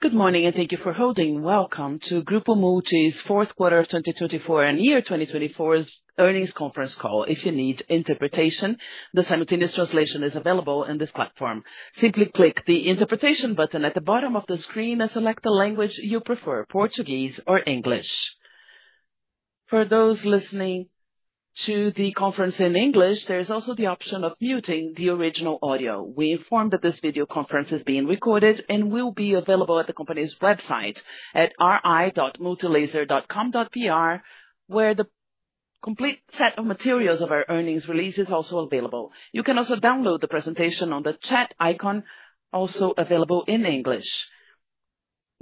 Good morning and thank you for holding. Welcome to Grupo Multi's fourth quarter 2024 and year 2024's earnings conference call. If you need interpretation, the simultaneous translation is available on this platform. Simply click the interpretation button at the bottom of the screen and select the language you prefer, Portuguese or English. For those listening to the conference in English, there is also the option of muting the original audio. We inform that this video conference is being recorded and will be available at the company's website at ri.multilaser.com.br, where the complete set of materials of our earnings release is also available. You can also download the presentation on the chat icon, also available in English.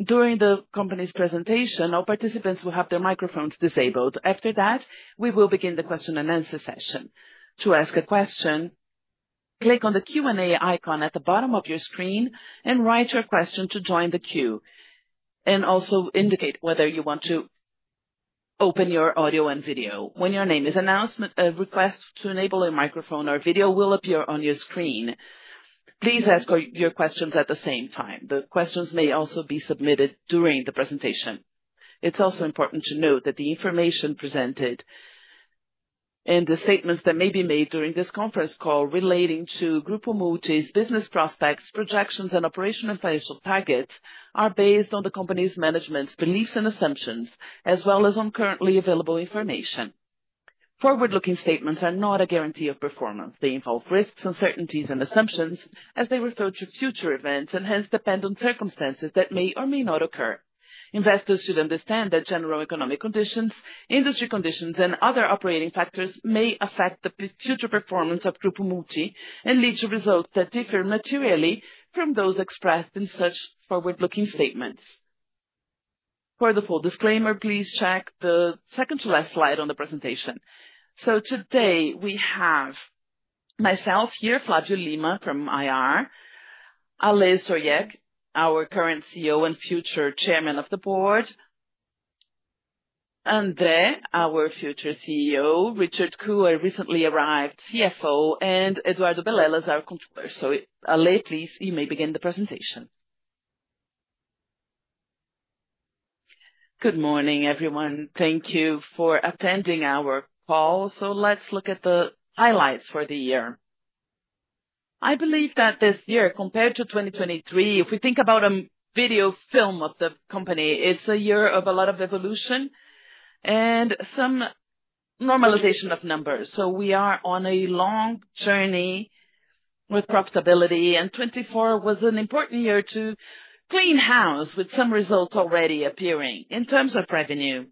During the company's presentation, all participants will have their microphones disabled. After that, we will begin the question and answer session. To ask a question, click on the Q&A icon at the bottom of your screen and write your question to join the queue, and also indicate whether you want to open your audio and video. When your name is announced, a request to enable a microphone or video will appear on your screen. Please ask your questions at the same time. The questions may also be submitted during the presentation. It's also important to note that the information presented and the statements that may be made during this conference call relating to Grupo Multi's business prospects, projections, and operational financial targets are based on the company's management's beliefs and assumptions, as well as on currently available information. Forward-looking statements are not a guarantee of performance. They involve risks, uncertainties, and assumptions as they refer to future events and hence depend on circumstances that may or may not occur. Investors should understand that general economic conditions, industry conditions, and other operating factors may affect the future performance of Grupo Multi and lead to results that differ materially from those expressed in such forward-looking statements. For the full disclaimer, please check the second-to-last slide on the presentation. Today we have myself here, Flavio Lima from IR, Ale Ostrowiecki, our current CEO and future chairman of the board, André, our future CEO, Richard Ku, our recently arrived CFO, and Eduardo Belelas, our controller. Ale, please you may begin the presentation. Good morning, everyone. Thank you for attending our call. Let's look at the highlights for the year. I believe that this year, compared to 2023, if we think about a video film of the company, it is a year of a lot of evolution and some normalization of numbers. We are on a long journey with profitability, and 2024 was an important year to clean house with some results already appearing. In terms of revenue,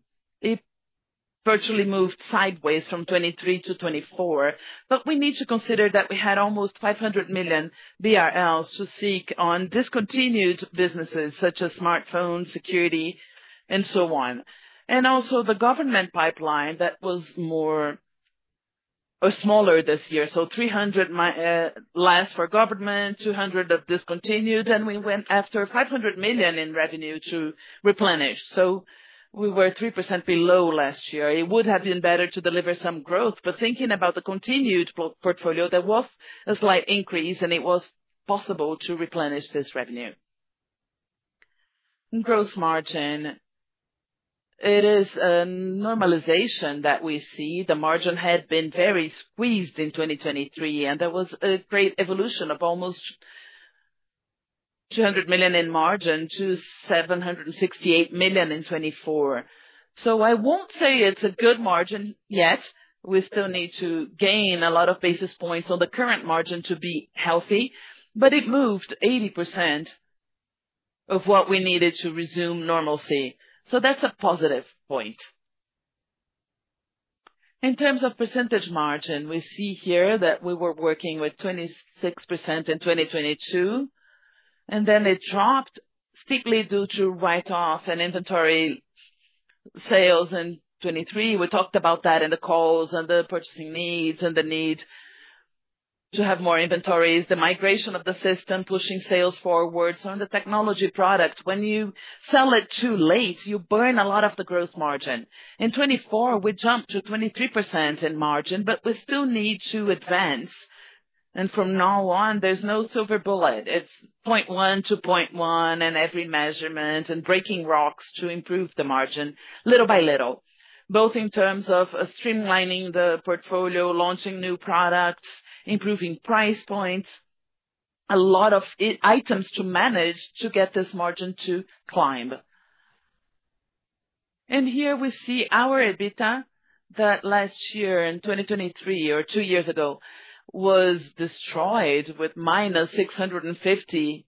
it virtually moved sideways from 2023 to 2024, but we need to consider that we had almost 500 million BRL to seek on discontinued businesses such as smartphone, security, and so on. Also, the government pipeline was smaller this year. So 300 million less for government, 200 million of discontinued, and we went after 500 million in revenue to replenish. We were 3% below last year. It would have been better to deliver some growth, but thinking about the continued portfolio, there was a slight increase and it was possible to replenish this revenue. Gross margin, it is a normalization that we see. The margin had been very squeezed in 2023, and there was a great evolution of almost 200 million in margin to 768 million in 2024. I won't say it's a good margin yet. We still need to gain a lot of basis points on the current margin to be healthy, but it moved 80% of what we needed to resume normalcy. That's a positive point. In terms of percentage margin, we see here that we were working with 26% in 2022, and then it dropped steeply due to write-off and inventory sales in 2023. We talked about that in the calls and the purchasing needs and the need to have more inventories, the migration of the system, pushing sales forward. In the technology product, when you sell it too late, you burn a lot of the gross margin. In 2024, we jumped to 23% in margin, but we still need to advance. From now on, there is no silver bullet. It is 0.1 to 0.1 and every measurement and breaking rocks to improve the margin little by little, both in terms of streamlining the portfolio, launching new products, improving price points, a lot of items to manage to get this margin to climb. Here we see our EBITDA that last year in 2023, or two years ago, was destroyed with minus 650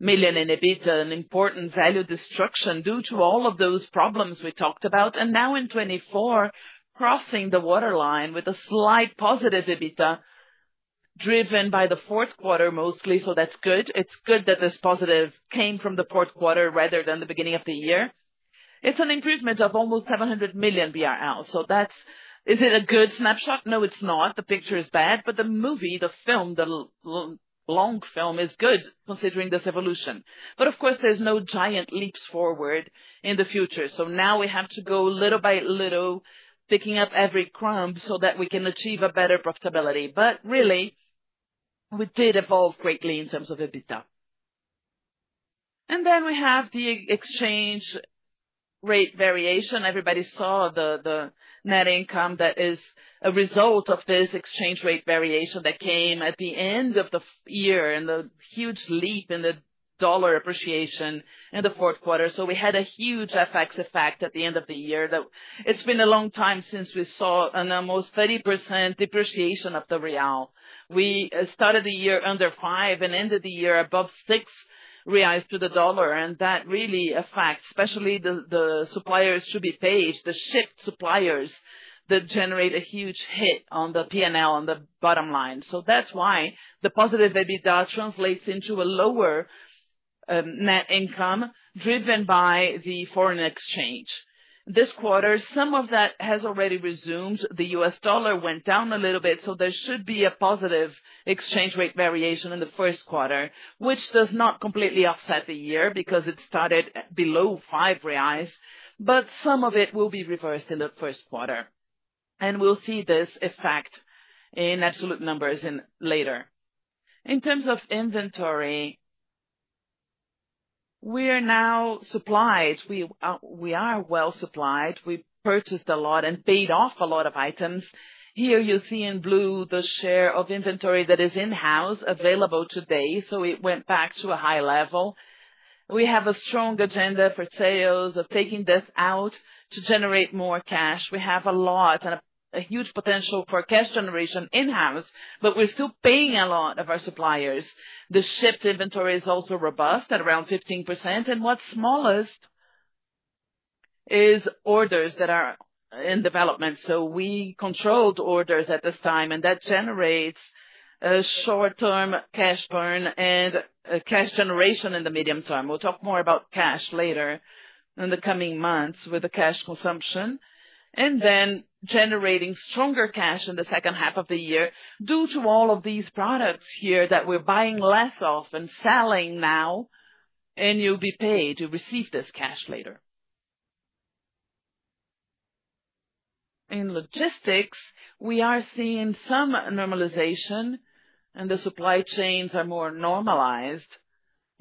million in EBITDA, an important value destruction due to all of those problems we talked about. Now in 2024, crossing the waterline with a slight positive EBITDA driven by the fourth quarter mostly, that is good. It is good that this positive came from the fourth quarter rather than the beginning of the year. It is an improvement of almost 700 million BRL. Is it a good snapshot? No, it's not. The picture is bad, but the movie, the film, the long film is good considering this evolution. Of course, there's no giant leaps forward in the future. Now we have to go little by little, picking up every crumb so that we can achieve a better profitability. Really, we did evolve greatly in terms of EBITDA. Then we have the exchange rate variation. Everybody saw the net income that is a result of this exchange rate variation that came at the end of the year and the huge leap in the dollar appreciation in the fourth quarter. We had a huge FX effect at the end of the year. It's been a long time since we saw an almost 30% depreciation of the real. We started the year under 5 and ended the year above 6 reais to the dollar. That really affects, especially the suppliers to be paid, the shipped suppliers that generate a huge hit on the P&L on the bottom line. That is why the positive EBITDA translates into a lower net income driven by the foreign exchange. This quarter, some of that has already resumed. The U.S. dollar went down a little bit, so there should be a positive exchange rate variation in the first quarter, which does not completely offset the year because it started below 5 reais, but some of it will be reversed in the first quarter. We will see this effect in absolute numbers later. In terms of inventory, we are now supplied. We are well supplied. We purchased a lot and paid off a lot of items. Here you see in blue the share of inventory that is in-house available today. It went back to a high level. We have a strong agenda for sales of taking this out to generate more cash. We have a lot and a huge potential for cash generation in-house, but we're still paying a lot of our suppliers. The shipped inventory is also robust at around 15%. What's smallest is orders that are in development. We controlled orders at this time, and that generates a short-term cash burn and cash generation in the medium term. We'll talk more about cash later in the coming months with the cash consumption and then generating stronger cash in the second half of the year due to all of these products here that we're buying less of and selling now, and you'll be paid to receive this cash later. In logistics, we are seeing some normalization, and the supply chains are more normalized.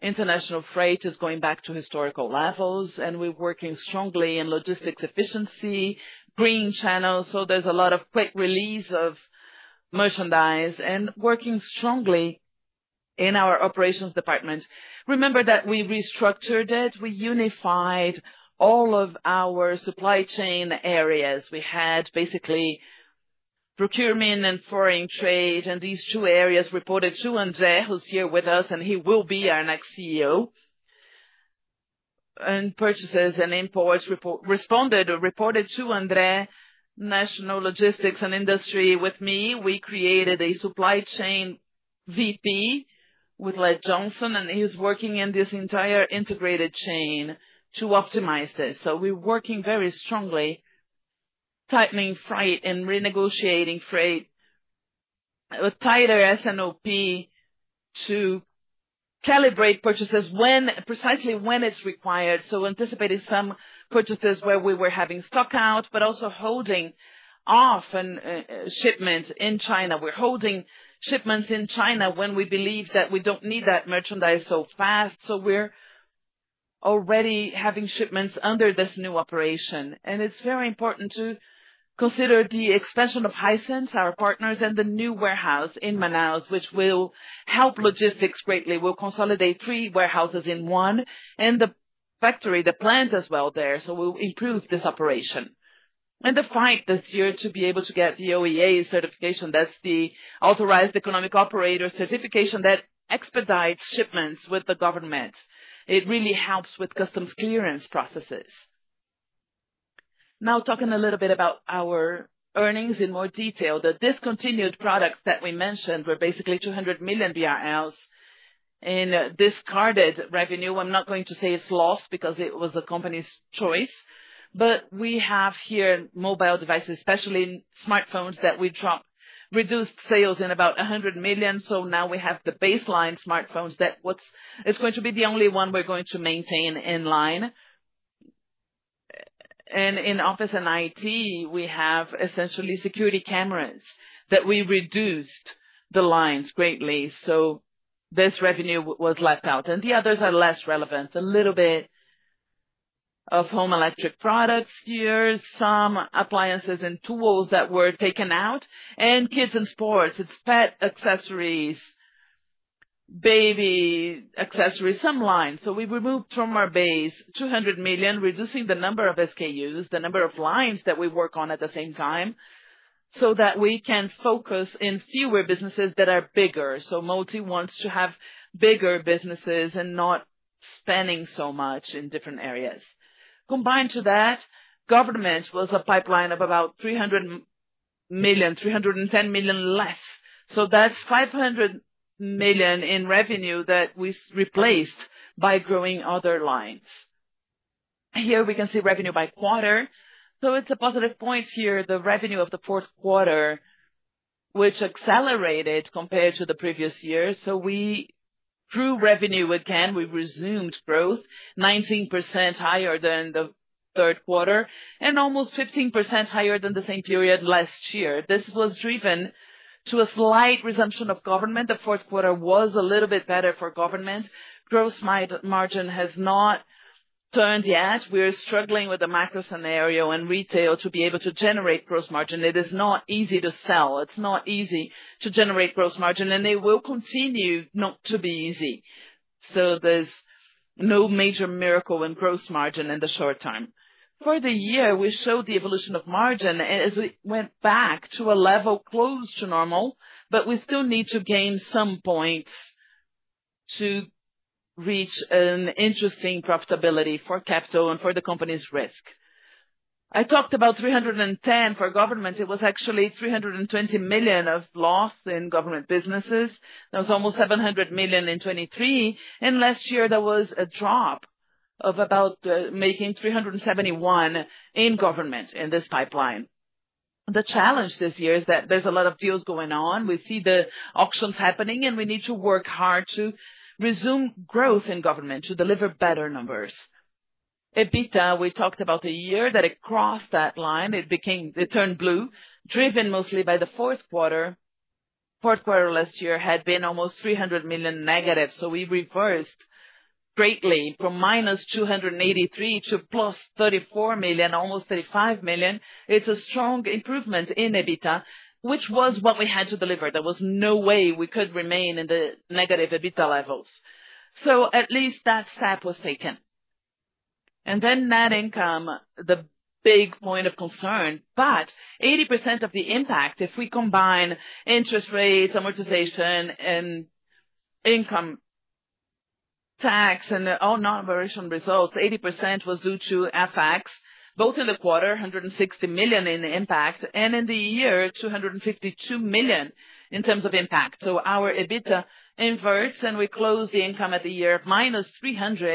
International freight is going back to historical levels, and we're working strongly in logistics efficiency, green channels. There is a lot of quick release of merchandise and working strongly in our operations department. Remember that we restructured it. We unified all of our supply chain areas. We had basically procurement and foreign trade, and these two areas reported to André, who's here with us, and he will be our next CEO. Purchases and imports responded or reported to André, national logistics and industry with me. We created a Supply Chain VP with Ledge Johnson, and he's working in this entire integrated chain to optimize this. We are working very strongly, tightening freight and renegotiating freight, a tighter S&OP to calibrate purchases precisely when it's required. Anticipating some purchases where we were having stock out, but also holding off shipments in China. We're holding shipments in China when we believe that we don't need that merchandise so fast. We're already having shipments under this new operation. It is very important to consider the expansion of Hisense, our partners, and the new warehouse in Manaus, which will help logistics greatly. We will consolidate three warehouses in one and the factory, the plant as well there. We will improve this operation. The fight this year to be able to get the OEA certification, that's the Authorized Economic Operator certification that expedites shipments with the government. It really helps with customs clearance processes. Now, talking a little bit about our earnings in more detail, the discontinued products that we mentioned were basically 200 million BRL in discarded revenue. I'm not going to say it's lost because it was the company's choice, but we have here mobile devices, especially smartphones that we dropped, reduced sales in about 100 million. Now we have the baseline smartphones that it's going to be the only one we're going to maintain in line. In office and IT, we have essentially security cameras that we reduced the lines greatly. This revenue was left out. The others are less relevant. A little bit of home electric products here, some appliances and tools that were taken out, and kids and sports. It's pet accessories, baby accessories, some lines. We removed from our base 200 million, reducing the number of SKUs, the number of lines that we work on at the same time so that we can focus in fewer businesses that are bigger. Multi wants to have bigger businesses and not spending so much in different areas. Combined to that, government was a pipeline of about 300 million, 310 million less. That is 500 million in revenue that we replaced by growing other lines. Here we can see revenue by quarter. It is a positive point here, the revenue of the fourth quarter, which accelerated compared to the previous year. We grew revenue again. We resumed growth, 19% higher than the third quarter and almost 15% higher than the same period last year. This was driven to a slight resumption of government. The fourth quarter was a little bit better for government. Gross margin has not turned yet. We are struggling with the macro scenario and retail to be able to generate gross margin. It is not easy to sell. It's not easy to generate gross margin, and they will continue not to be easy. There is no major miracle in gross margin in the short term. For the year, we showed the evolution of margin as we went back to a level close to normal, but we still need to gain some points to reach an interesting profitability for capital and for the company's risk. I talked about 310 for government. It was actually 320 million of loss in government businesses. There was almost 700 million in 2023. Last year, there was a drop of about making 371 million in government in this pipeline. The challenge this year is that there are a lot of deals going on. We see the auctions happening, and we need to work hard to resume growth in government to deliver better numbers. EBITDA, we talked about the year that it crossed that line. It turned blue, driven mostly by the fourth quarter. Fourth quarter last year had been almost 300 million negative. We reversed greatly from minus 283 million to plus 34 million, almost 35 million. It is a strong improvement in EBITDA, which was what we had to deliver. There was no way we could remain in the negative EBITDA levels. At least that step was taken. Net income, the big point of concern, but 80% of the impact, if we combine interest rates, amortization, and income tax and all non-operational results, 80% was due to FX, both in the quarter, 160 million in impact, and in the year, 252 million in terms of impact. Our EBITDA inverts, and we close the income at the year of minus 300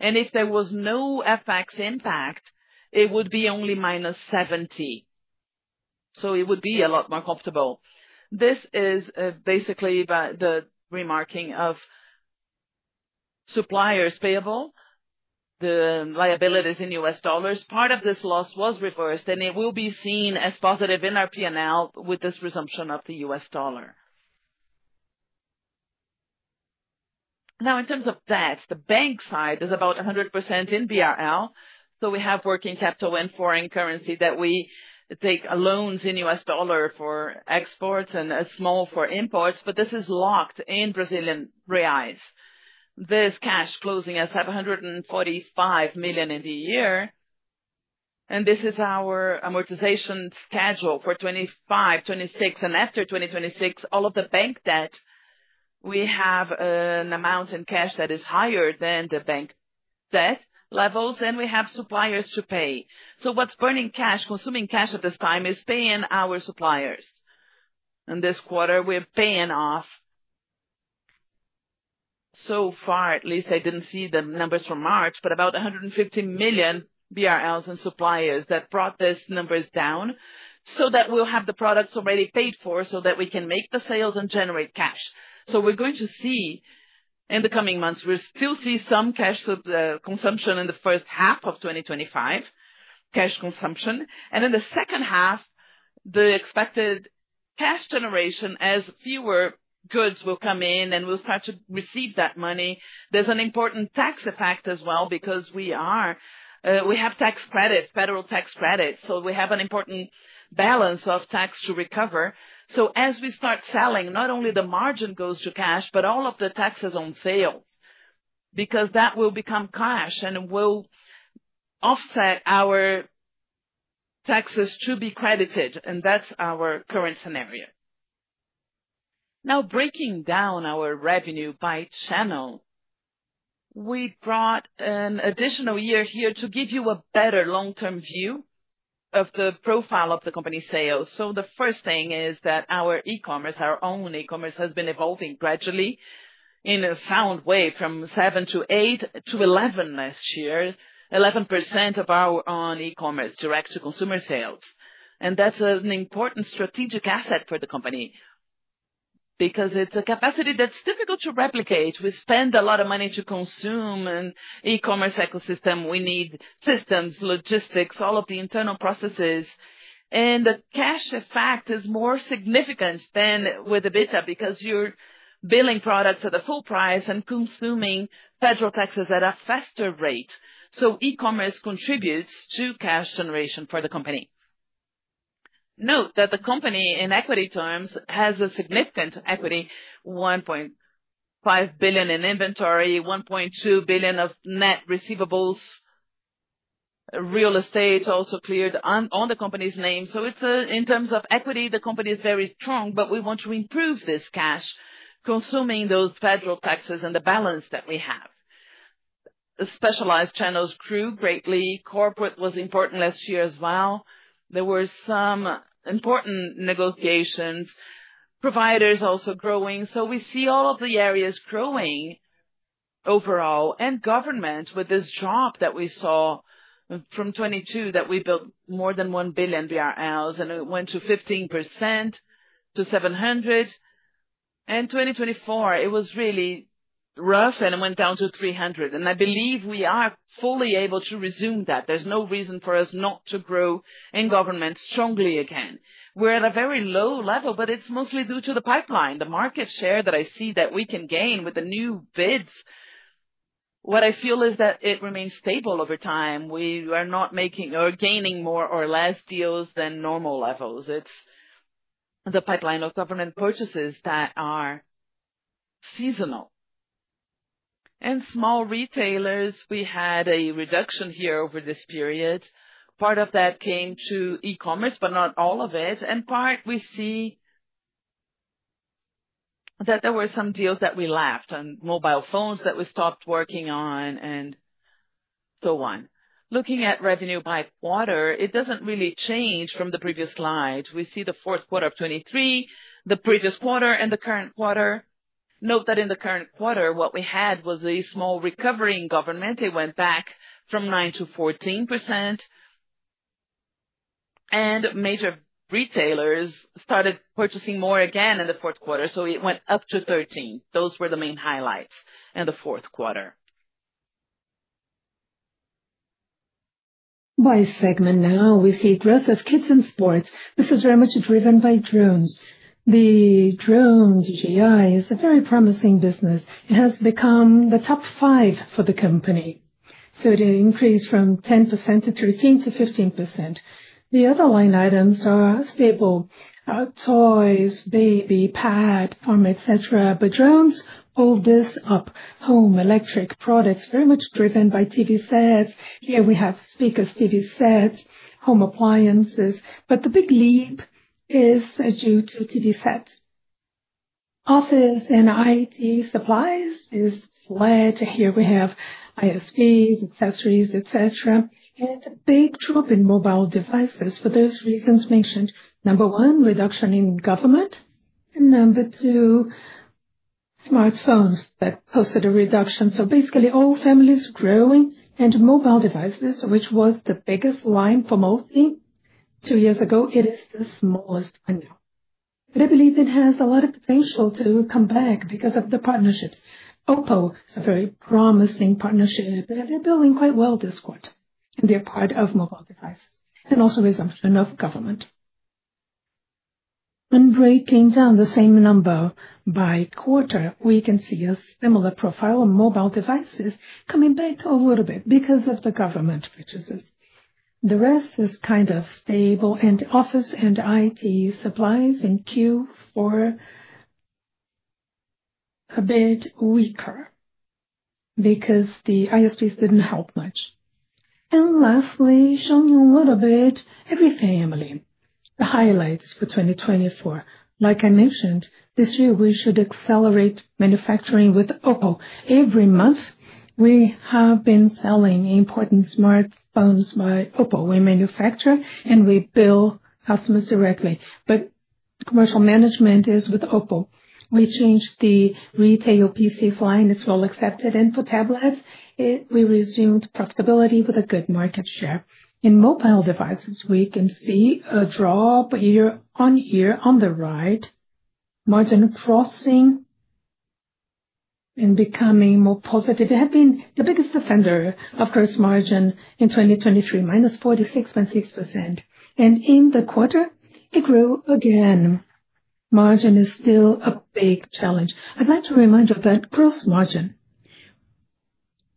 million. If there was no FX impact, it would be only minus 70 million. It would be a lot more comfortable. This is basically the remarking of suppliers payable, the liabilities in U.S. dollars. Part of this loss was reversed, and it will be seen as positive in our P&L with this resumption of the U.S. dollar. Now, in terms of that, the bank side is about 100% in BRL. We have working capital in foreign currency that we take loans in U.S. dollar for exports and small for imports, but this is locked in BRL. This cash closing at 745 million in the year. This is our amortization schedule for 2025, 2026. After 2026, all of the bank debt, we have an amount in cash that is higher than the bank debt levels, and we have suppliers to pay. What is burning cash, consuming cash at this time is paying our suppliers. This quarter, we're paying off. So far, at least, I didn't see the numbers from March, but about 150 million BRL and suppliers that brought these numbers down so that we'll have the products already paid for so that we can make the sales and generate cash. We're going to see in the coming months, we'll still see some cash consumption in the first half of 2025, cash consumption. In the second half, the expected cash generation as fewer goods will come in and we'll start to receive that money. There's an important tax effect as well because we have tax credit, federal tax credit. We have an important balance of tax to recover. As we start selling, not only the margin goes to cash, but all of the taxes on sale because that will become cash and will offset our taxes to be credited. That's our current scenario. Now, breaking down our revenue by channel, we brought an additional year here to give you a better long-term view of the profile of the company sales. The first thing is that our e-commerce, our own e-commerce, has been evolving gradually in a sound way from 7% to 8% to 11% last year, 11% of our own e-commerce direct-to-consumer sales. That is an important strategic asset for the company because it is a capacity that is difficult to replicate. We spend a lot of money to consume an e-commerce ecosystem. We need systems, logistics, all of the internal processes. The cash effect is more significant than with EBITDA because you are billing products at a full price and consuming federal taxes at a faster rate. E-commerce contributes to cash generation for the company. Note that the company, in equity terms, has significant equity, 1.5 billion in inventory, 1.2 billion of net receivables, real estate also cleared on the company's name. In terms of equity, the company is very strong, but we want to improve this cash, consuming those federal taxes and the balance that we have. Specialized channels grew greatly. Corporate was important last year as well. There were some important negotiations. Providers also growing. We see all of the areas growing overall. Government, with this drop that we saw from 2022, that we built more than 1 billion BRL, and it went from 15% to 700 million. In 2024, it was really rough and went down to 300 million. I believe we are fully able to resume that. There is no reason for us not to grow in government strongly again. We're at a very low level, but it's mostly due to the pipeline. The market share that I see that we can gain with the new bids, what I feel is that it remains stable over time. We are not making or gaining more or less deals than normal levels. It's the pipeline of government purchases that are seasonal. Small retailers, we had a reduction here over this period. Part of that came to e-commerce, but not all of it. Part, we see that there were some deals that we left and mobile phones that we stopped working on and so on. Looking at revenue by quarter, it doesn't really change from the previous slide. We see the fourth quarter of 2023, the previous quarter, and the current quarter. Note that in the current quarter, what we had was a small recovery in government. It went back from 9%-14%. Major retailers started purchasing more again in the fourth quarter. It went up to 13%. Those were the main highlights in the fourth quarter. By segment now, we see growth of kids and sports. This is very much driven by drones. The drone DJI is a very promising business. It has become the top five for the company. It increased from 10% to 13% to 15%. The other line items are stable: toys, baby, pad, farm, etc. Drones hold this up. Home electric products, very much driven by TV sets. Here we have speakers, TV sets, home appliances. The big leap is due to TV sets. Office and IT supplies is flat. Here we have ISPs, accessories, etc. It is a big drop in mobile devices for those reasons mentioned. Number one, reduction in government. Number two, smartphones that posted a reduction. Basically, all families growing and mobile devices, which was the biggest line for Multi two years ago, it is the smallest line now. I believe it has a lot of potential to come back because of the partnerships. Oppo is a very promising partnership, and they are building quite well this quarter. They are part of mobile devices and also resumption of government. Breaking down the same number by quarter, we can see a similar profile of mobile devices coming back a little bit because of the government purchases. The rest is kind of stable. Office and IT supplies in Q4 a bit weaker because the ISPs did not help much. Lastly, showing you a little bit every family, the highlights for 2024. Like I mentioned, this year, we should accelerate manufacturing with Oppo. Every month, we have been selling important smartphones by Oppo. We manufacture and we bill customers directly. Commercial management is with Oppo. We changed the retail PC line and it is well accepted. For tablets, we resumed profitability with a good market share. In mobile devices, we can see a drop year on year on the right. Margin crossing and becoming more positive. It had been the biggest defender of gross margin in 2023, -46.6%. In the quarter, it grew again. Margin is still a big challenge. I would like to remind you that gross margin,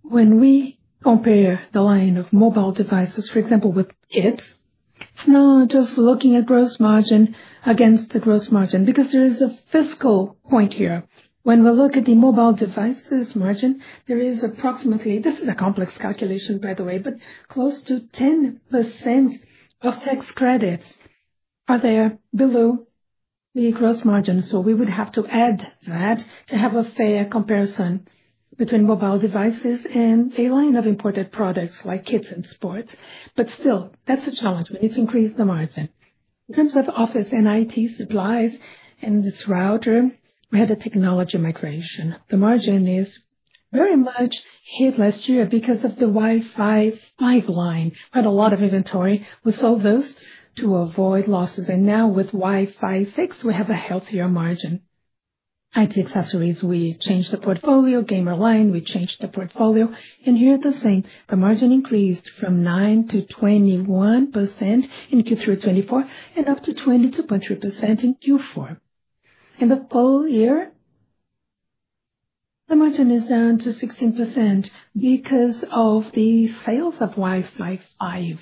when we compare the line of mobile devices, for example, with kids, not just looking at gross margin against the gross margin, because there is a fiscal point here. When we look at the mobile devices margin, there is approximately, this is a complex calculation, by the way, but close to 10% of tax credits are there below the gross margin. So we would have to add that to have a fair comparison between mobile devices and a line of imported products like kids and sports. Still, that's a challenge. We need to increase the margin. In terms of office and IT supplies and this router, we had a technology migration. The margin is very much hit last year because of the Wi-Fi 5 line. We had a lot of inventory. We sold those to avoid losses. Now with Wi-Fi 6, we have a healthier margin. IT accessories, we changed the portfolio. Gamer line, we changed the portfolio. Here's the same. The margin increased from 9% to 21% in Q3 of 2024 and up to 22.3% in Q4. In the full year, the margin is down to 16% because of the sales of Wi-Fi 5.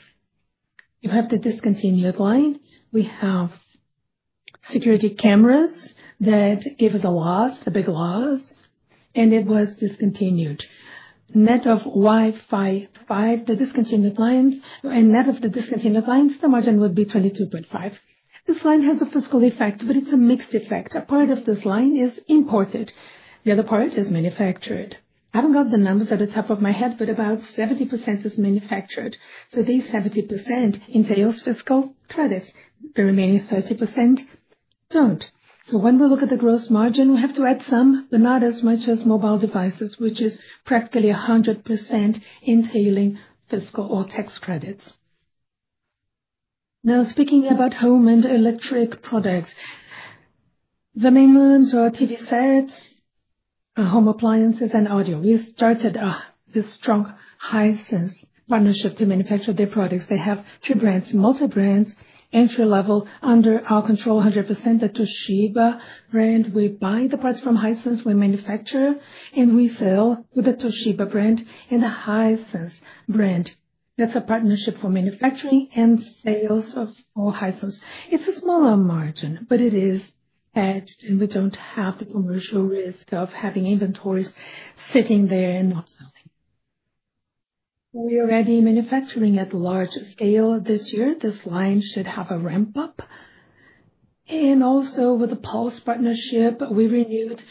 You have the discontinued line. We have security cameras that give us a loss, a big loss, and it was discontinued. Net of Wi-Fi 5, the discontinued lines, and net of the discontinued lines, the margin would be 22.5%. This line has a fiscal effect, but it's a mixed effect. A part of this line is imported. The other part is manufactured. I haven't got the numbers at the top of my head, but about 70% is manufactured. So these 70% entails fiscal credits. The remaining 30% don't. When we look at the gross margin, we have to add some, but not as much as mobile devices, which is practically 100% entailing fiscal or tax credits. Now, speaking about home and electric products, the main ones are TV sets, home appliances, and audio. We started this strong Hisense partnership to manufacture their products. They have two brands, multi-brands, entry level under our control, 100%, the Toshiba brand. We buy the parts from Hisense. We manufacture and we sell with the Toshiba brand and the Hisense brand. That is a partnership for manufacturing and sales for Hisense. It is a smaller margin, but it is edged, and we do not have the commercial risk of having inventories sitting there and not selling. We are already manufacturing at large scale this year. This line should have a ramp-up. Also, with the Pulse partnership, we renewed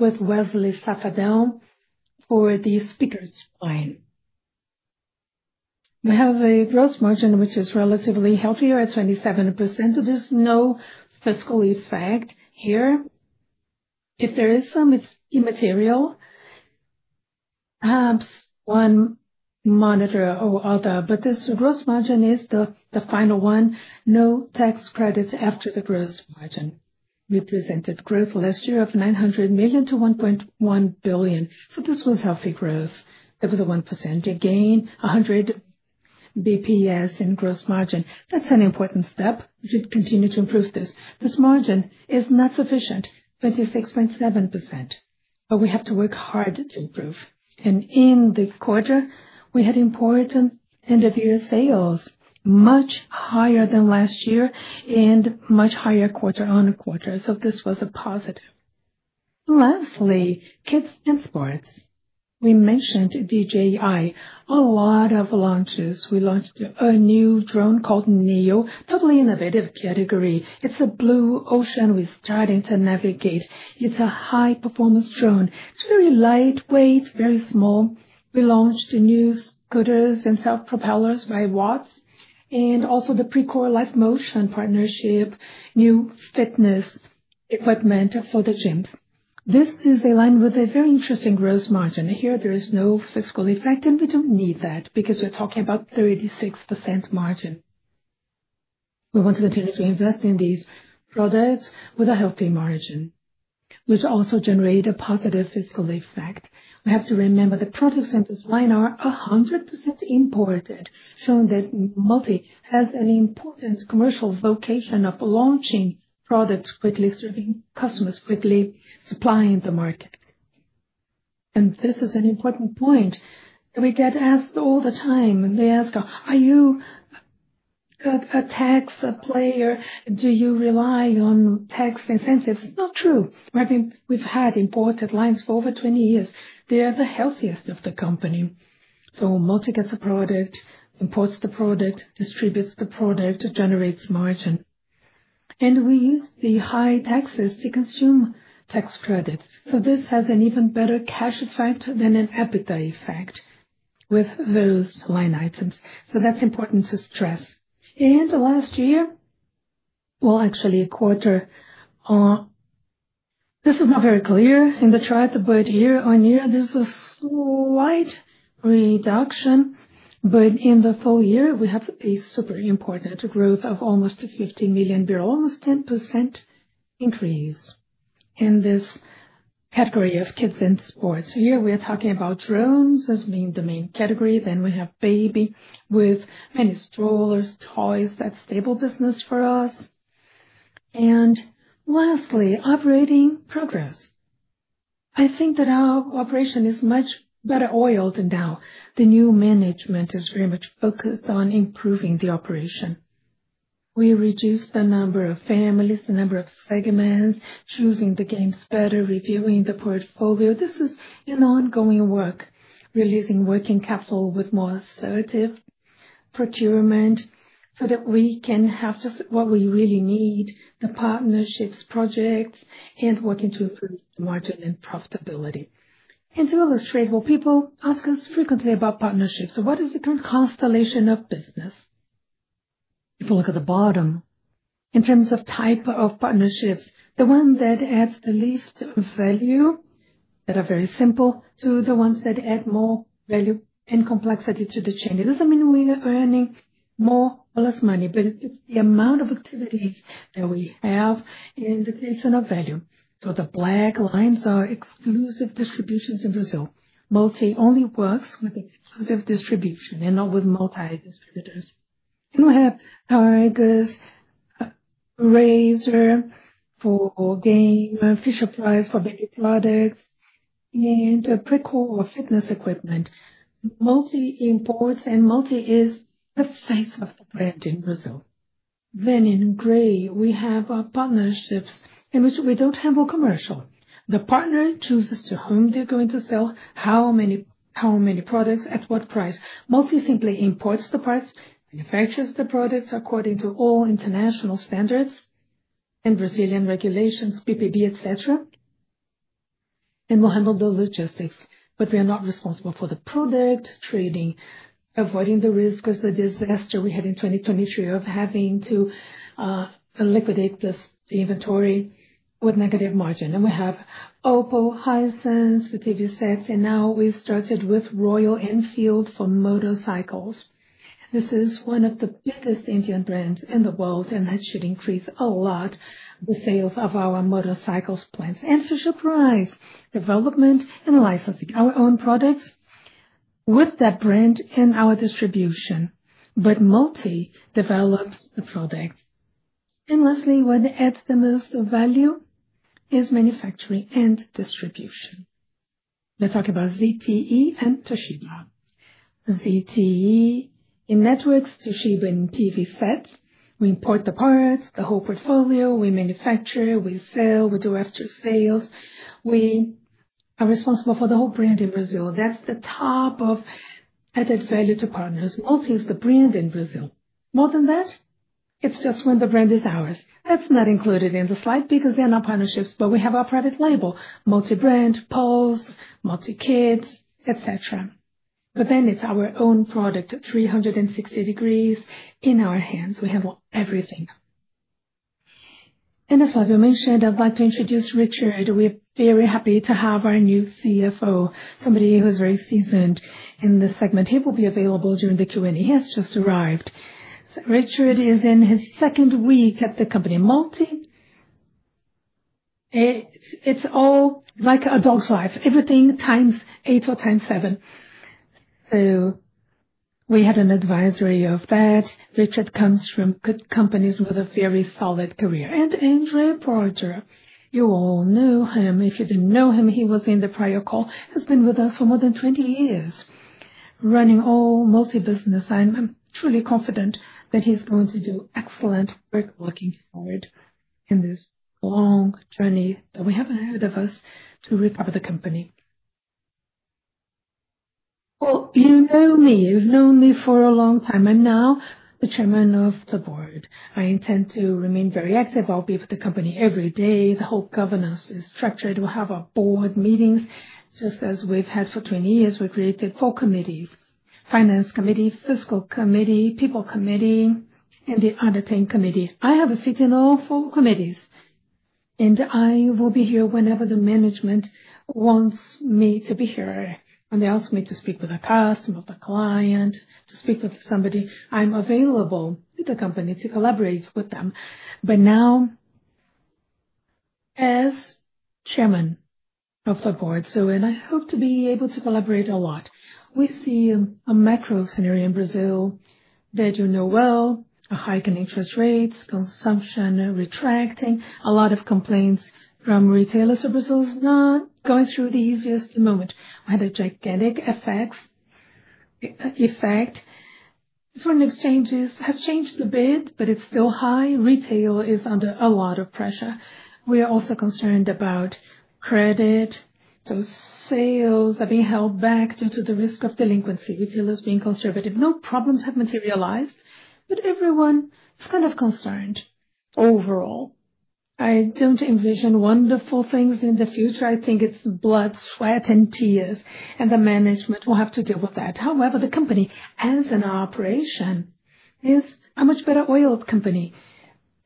with Wesley Safadão for the speakers line. We have a gross margin which is relatively healthy at 27%. There is no fiscal effect here. If there is some, it is immaterial, one monitor or other. This gross margin is the final one. No tax credits after the gross margin. We presented growth last year of 900 million to 1.1 billion. This was healthy growth. There was a 1% gain, 100 basis points in gross margin. That is an important step. We should continue to improve this. This margin is not sufficient, 26.7%. We have to work hard to improve. In the quarter, we had important end-of-year sales, much higher than last year and much higher quarter on quarter. This was a positive. Lastly, kids and sports. We mentioned DJI. A lot of launches. We launched a new drone called Neo, totally innovative category. It's a blue ocean we're starting to navigate. It's a high-performance drone. It's very lightweight, very small. We launched new scooters and self-propellers by Watts. Also the Precor Live Motion partnership, new fitness equipment for the gyms. This is a line with a very interesting gross margin. Here, there is no fiscal effect, and we don't need that because we're talking about 36% margin. We want to continue to invest in these products with a healthy margin, which also generates a positive fiscal effect. We have to remember the products in this line are 100% imported, showing that Multi has an important commercial vocation of launching products quickly, serving customers quickly, supplying the market. This is an important point that we get asked all the time. They ask, "Are you a tax player? Do you rely on tax incentives?" Not true. We've had imported lines for over 20 years. They are the healthiest of the company. Multi gets a product, imports the product, distributes the product, generates margin. We use the high taxes to consume tax credits. This has an even better cash effect than an EBITDA effect with those line items. That is important to stress. Last year, actually a quarter, this is not very clear in the chart, but year on year, thFere's a slight reduction. In the full year, we have a super important growth of almost 15 million BRL, almost 10% increase in this category of kids and sports. Here, we are talking about drones as being the main category. Then we have baby with many strollers, toys. That is a stable business for us. Lastly, operating progress. I think that our operation is much better oiled now. The new management is very much focused on improving the operation. We reduced the number of families, the number of segments, choosing the games better, reviewing the portfolio. This is an ongoing work, releasing working capital with more assertive procurement so that we can have just what we really need, the partnerships, projects, and working to improve the margin and profitability. To illustrate, people ask us frequently about partnerships. What is the current constellation of business? If we look at the bottom, in terms of type of partnerships, the one that adds the least value, that are very simple, to the ones that add more value and complexity to the chain. It does not mean we are earning more or less money, but it is the amount of activities that we have in the creation of value. The black lines are exclusive distributions in Brazil. Multi only works with exclusive distribution and not with multi-distributors. We have Targus, Razer for game, Fisher-Price for baby products, and Precor for fitness equipment. Multi imports and Multi is the face of the brand in Brazil. In gray, we have our partnerships in which we do not have a commercial. The partner chooses to whom they are going to sell, how many products, at what price. Multi simply imports the parts, manufactures the products according to all international standards and Brazilian regulations, PPB, etc. We handle the logistics. We are not responsible for the product trading, avoiding the risk of the disaster we had in 2023 of having to liquidate this inventory with negative margin. We have Oppo, Hisense, the TV sets, and now we started with Royal Enfield for motorcycles. This is one of the biggest Indian brands in the world, and that should increase a lot the sales of our motorcycle plants. Fisher-Price, development and licensing our own products with that brand in our distribution. Multi develops the products. Lastly, when it adds the most value is manufacturing and distribution. Let's talk about ZTE and Toshiba. ZTE in networks, Toshiba in TV sets. We import the parts, the whole portfolio. We manufacture, we sell, we do after-sales. We are responsible for the whole brand in Brazil. That's the top of added value to partners. Multi is the brand in Brazil. More than that, it's just when the brand is ours. That's not included in the slide because they're not partnerships, but we have our private label, multi-brand, Pulse, Multikids, etc. Then it's our own product, 360 degrees in our hands. We handle everything. As I mentioned, I'd like to introduce Richard. We're very happy to have our new CFO, somebody who's very seasoned in this segment. He will be available during the Q&A. He has just arrived. Richard is in his second week at the company. Multi, it's all like a dog's life. Everything times eight or times seven. We had an advisory of that. Richard comes from good companies with a very solid career. André, you all knew him. If you didn't know him, he was in the prior call. He's been with us for more than 20 years, running all Multi business. I'm truly confident that he's going to do excellent work looking forward in this long journey that we have in front of us to recover the company. You know me. You've known me for a long time. I'm now the Chairman of the Board. I intend to remain very active. I'll be with the company every day. The whole governance is structured. We'll have our board meetings just as we've had for 20 years. We created four committees: Finance Committee, Fiscal Committee, People Committee, and the Undertaking Committee. I have a seat in all four committees. I will be here whenever the management wants me to be here. When they ask me to speak with a customer, the client, to speak with somebody, I'm available with the company to collaborate with them. Now, as chairman of the board, I hope to be able to collaborate a lot. We see a macro scenario in Brazil that you know well: a hike in interest rates, consumption retracting, a lot of complaints from retailers. Brazil is not going through the easiest moment. We had a gigantic effect for exchanges. It has changed a bit, but it's still high. Retail is under a lot of pressure. We are also concerned about credit. Sales are being held back due to the risk of delinquency. Retail is being conservative. No problems have materialized, but everyone is kind of concerned overall. I don't envision wonderful things in the future. I think it's blood, sweat, and tears, and the management will have to deal with that. However, the company, as an operation, is a much better oiled company.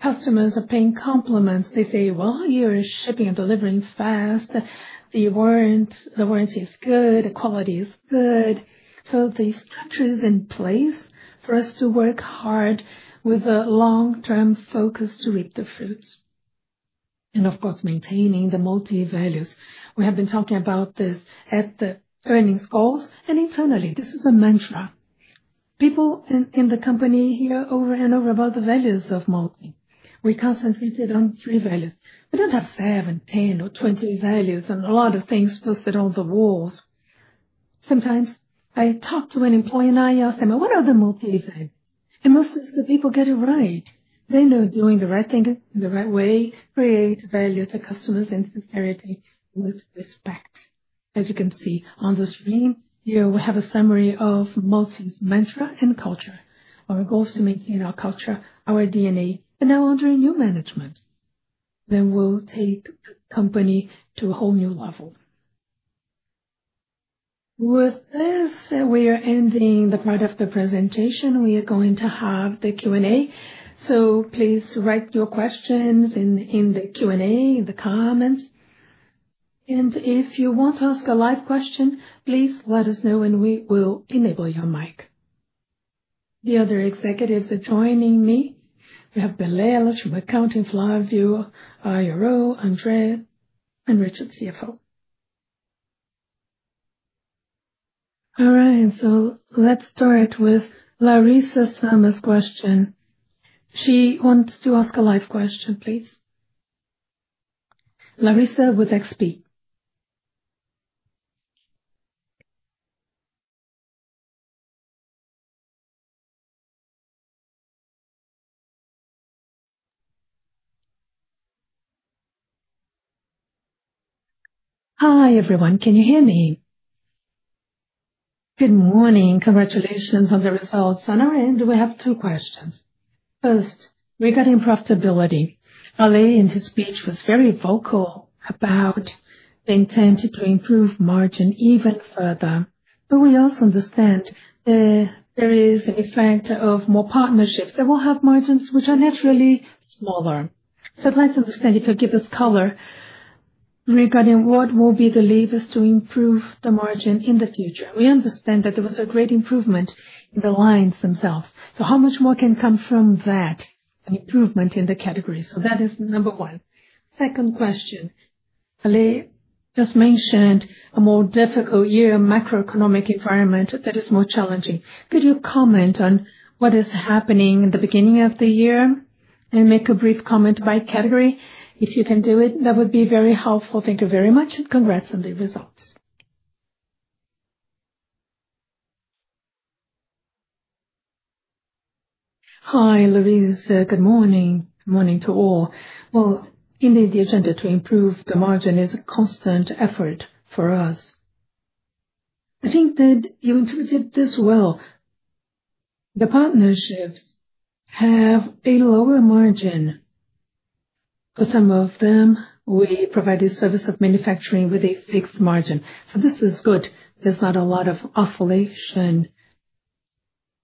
Customers are paying compliments. They say, "Well, you're shipping and delivering fast. The warranty is good. The quality is good." The structure is in place for us to work hard with a long-term focus to reap the fruits. Of course, maintaining the multi-values. We have been talking about this at the earnings calls and internally. This is a mantra. People in the company hear over and over about the values of Multi. We concentrated on three values. We do not have 7, 10, or 20 values and a lot of things posted on the walls. Sometimes I talk to an employee and I ask them, "What are the Multi values?" and most of the people get it right. They know doing the right thing in the right way creates value to customers and sincerity with respect. As you can see on the screen, here we have a summary of Multi's mantra and culture. Our goal is to maintain our culture, our DNA, and now under new management, we will take the company to a whole new level. With this, we are ending the part of the presentation. We are going to have the Q&A. Please write your questions in the Q&A, in the comments. If you want to ask a live question, please let us know and we will enable your mic. The other executives are joining me. We have Belelas from Accounting, Flavio, IRO, André, and Richard, CFO. All right. Let's start with Larissa Summers' question. She wants to ask a live question, please. Larissa with XP. Hi, everyone. Can you hear me? Good morning. Congratulations on the results. On our end, we have two questions. First, regarding profitability. Ale, in his speech, was very vocal about the intent to improve margin even further. We also understand that there is an effect of more partnerships that will have margins which are naturally smaller. I would like to understand if you could give us color regarding what will be the levers to improve the margin in the future. We understand that there was a great improvement in the lines themselves. How much more can come from that improvement in the category? That is number one. Second question. Ale just mentioned a more difficult year, a macroeconomic environment that is more challenging. Could you comment on what is happening at the beginning of the year and make a brief comment by category? If you can do it, that would be very helpful. Thank you very much. Congrats on the results. Hi, Larissa. Good morning. Good morning to all. Indeed, the agenda to improve the margin is a constant effort for us. I think that you interpreted this well. The partnerships have a lower margin. For some of them, we provide a service of manufacturing with a fixed margin. This is good. There is not a lot of oscillation,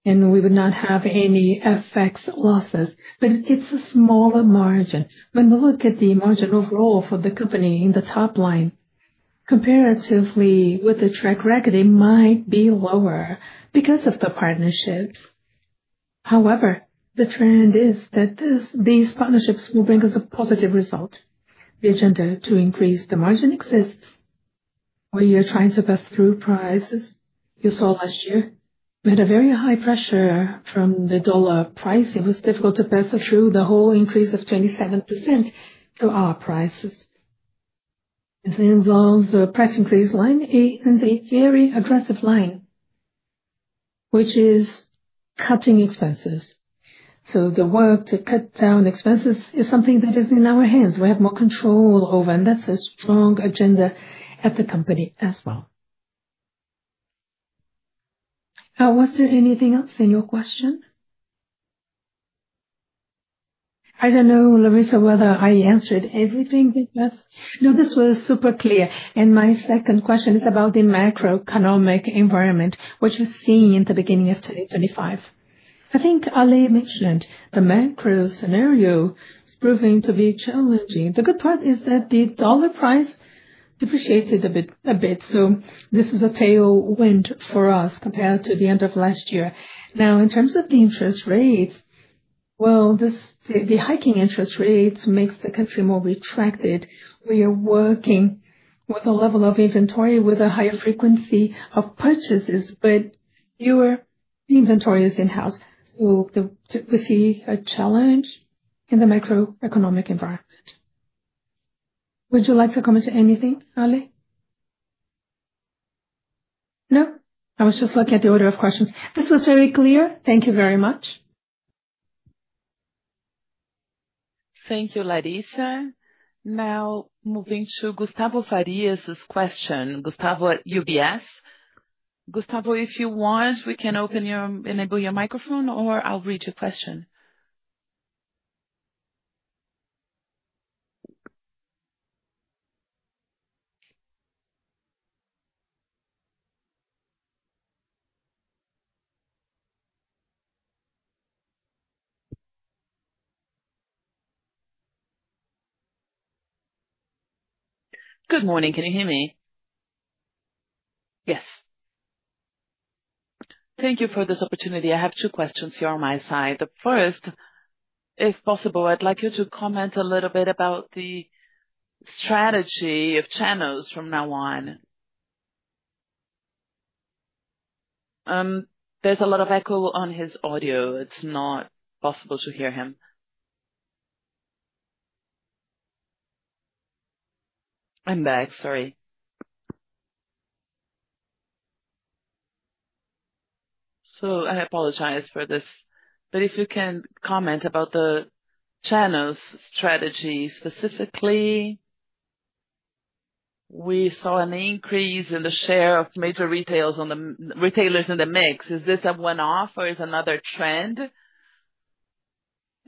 and we would not have any FX losses. It is a smaller margin. When we look at the margin overall for the company in the top line, comparatively with the track record, it might be lower because of the partnerships. However, the trend is that these partnerships will bring us a positive result. The agenda to increase the margin exists. We are trying to pass through prices. You saw last year. We had a very high pressure from the dollar price. It was difficult to pass through the whole increase of 27% to our prices. This involves a price increase line, and it's a very aggressive line, which is cutting expenses. The work to cut down expenses is something that is in our hands. We have more control over, and that's a strong agenda at the company as well. Now, was there anything else in your question? I don't know, Larissa, whether I answered everything because no, this was super clear. My second question is about the macroeconomic environment, which we've seen at the beginning of 2025. I think Ali mentioned the macro scenario is proving to be challenging. The good part is that the dollar price depreciated a bit. This is a tailwind for us compared to the end of last year. In terms of the interest rates, the hiking interest rates makes the country more retracted. We are working with a level of inventory with a higher frequency of purchases, but fewer inventories in-house. We see a challenge in the macroeconomic environment. Would you like to comment on anything, Ali? No? I was just looking at the order of questions. This was very clear. Thank you very much. Thank you, Larissa. Now, moving to Gustavo Farias' question. Gustavo, UBS. Gustavo, if you want, we can open your microphone, or I'll read your question. Good morning. Can you hear me? Yes. Thank you for this opportunity. I have two questions here on my side. The first, if possible, I'd like you to comment a little bit about the strategy of channels from now on. There's a lot of echo on his audio. It's not possible to hear him. I'm back. Sorry. I apologize for this. If you can comment about the channels strategy specifically, we saw an increase in the share of major retailers in the mix. Is this a one-off, or is it another trend?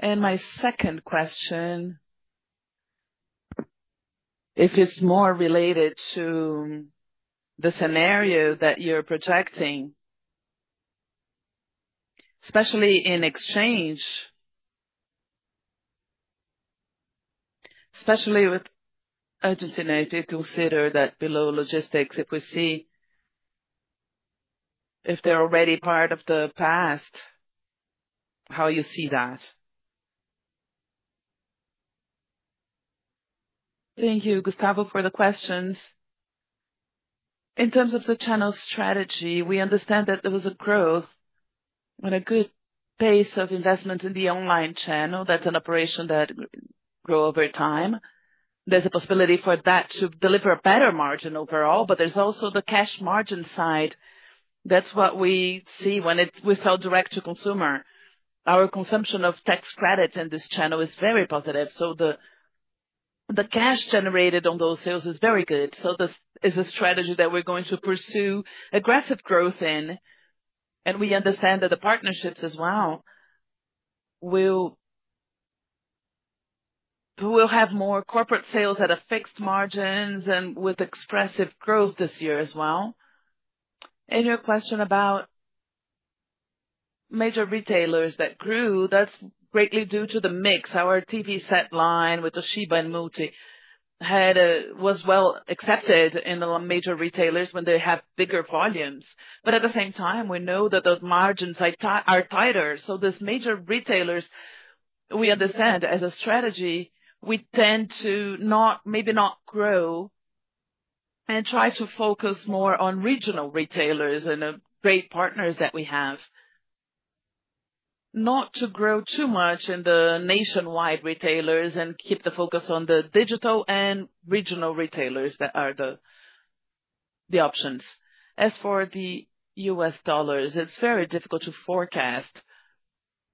My second question is more related to the scenario that you're projecting, especially in exchange, especially with urgency, and I did consider that below logistics, if we see if they're already part of the past, how you see that. Thank you, Gustavo, for the questions. In terms of the channel strategy, we understand that there was a growth and a good base of investment in the online channel. That is an operation that grows over time. There is a possibility for that to deliver a better margin overall, but there is also the cash margin side. That is what we see when it is without direct-to-consumer. Our consumption of tax credits in this channel is very positive. The cash generated on those sales is very good. This is a strategy that we are going to pursue aggressive growth in. We understand that the partnerships as well will have more corporate sales at fixed margins and with expressive growth this year as well. Your question about major retailers that grew, that is greatly due to the mix. Our TV set line with Toshiba and Multi was well accepted in the major retailers when they have bigger volumes. At the same time, we know that those margins are tighter. These major retailers, we understand as a strategy, we tend to maybe not grow and try to focus more on regional retailers and the great partners that we have, not to grow too much in the nationwide retailers and keep the focus on the digital and regional retailers that are the options. As for the U.S. dollars, it's very difficult to forecast.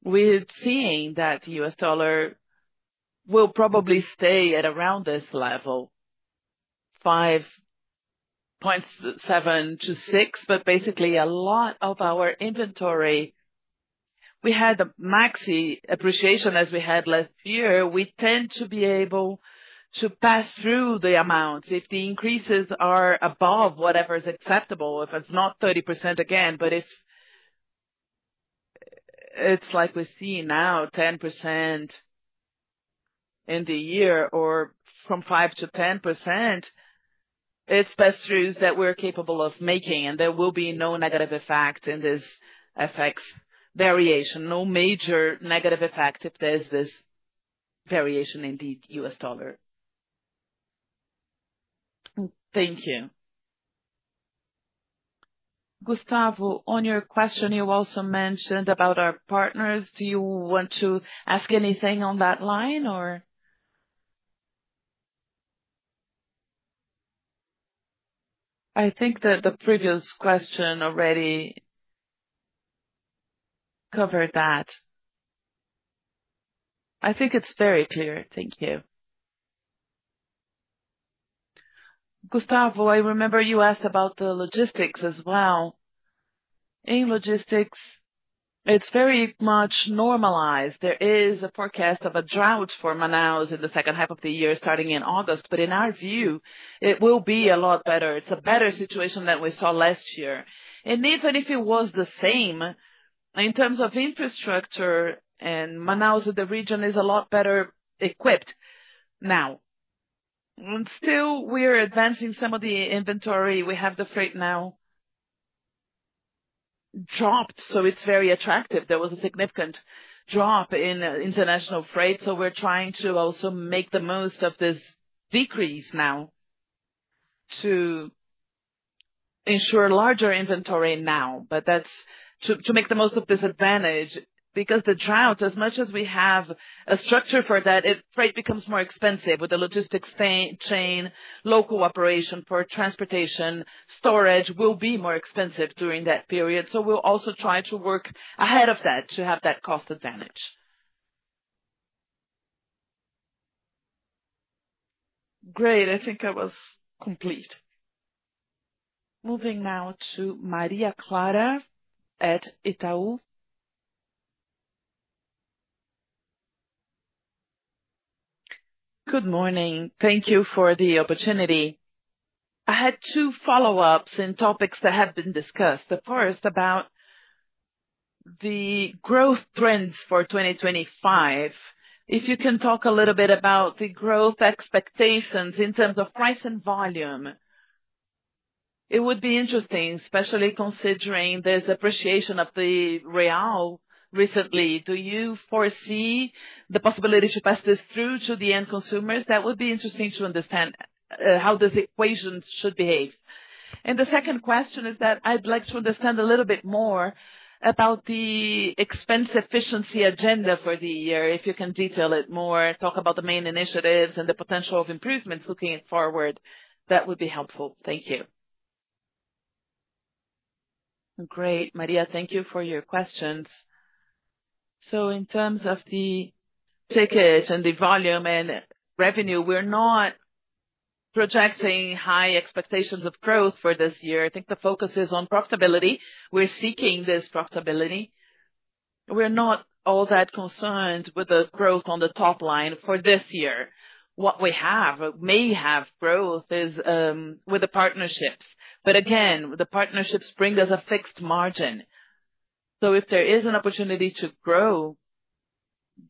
We're seeing that the U.S. dollar will probably stay at around this level, $5.7-$6, but basically, a lot of our inventory. We had a maxi appreciation as we had last year. We tend to be able to pass through the amounts if the increases are above whatever is acceptable, if it's not 30% again. If it's like we see now, 10% in the year or from 5%-10%, it's pass-throughs that we're capable of making, and there will be no negative effect in this FX variation. No major negative effect if there's this variation in the U.S. dollar. Thank you. Gustavo, on your question, you also mentioned about our partners. Do you want to ask anything on that line, or? I think that the previous question already covered that. I think it's very clear. Thank you. Gustavo, I remember you asked about the logistics as well. In logistics, it's very much normalized. There is a forecast of a drought for Manaus in the second half of the year starting in August, but in our view, it will be a lot better. It's a better situation than we saw last year. Even if it was the same, in terms of infrastructure, Manaus and the region is a lot better equipped now. Still, we are advancing some of the inventory. We have the freight now dropped, so it is very attractive. There was a significant drop in international freight, so we are trying to also make the most of this decrease now to ensure larger inventory now, but that is to make the most of this advantage because the drought, as much as we have a structure for that, freight becomes more expensive with the logistics chain. Local operation for transportation storage will be more expensive during that period. We will also try to work ahead of that to have that cost advantage. Great. I think I was complete. Moving now to Maria Clara at Itaú. Good morning. Thank you for the opportunity. I had two follow-ups in topics that have been discussed. The first about the growth trends for 2025. If you can talk a little bit about the growth expectations in terms of price and volume, it would be interesting, especially considering there is appreciation of the real recently. Do you foresee the possibility to pass this through to the end consumers? That would be interesting to understand how this equation should behave. The second question is that I'd like to understand a little bit more about the expense efficiency agenda for the year, if you can detail it more, talk about the main initiatives and the potential of improvements looking forward. That would be helpful. Thank you. Great. Maria, thank you for your questions. In terms of the ticket and the volume and revenue, we're not projecting high expectations of growth for this year. I think the focus is on profitability. We're seeking this profitability. We're not all that concerned with the growth on the top line for this year. What we have may have growth with the partnerships. Again, the partnerships bring us a fixed margin. If there is an opportunity to grow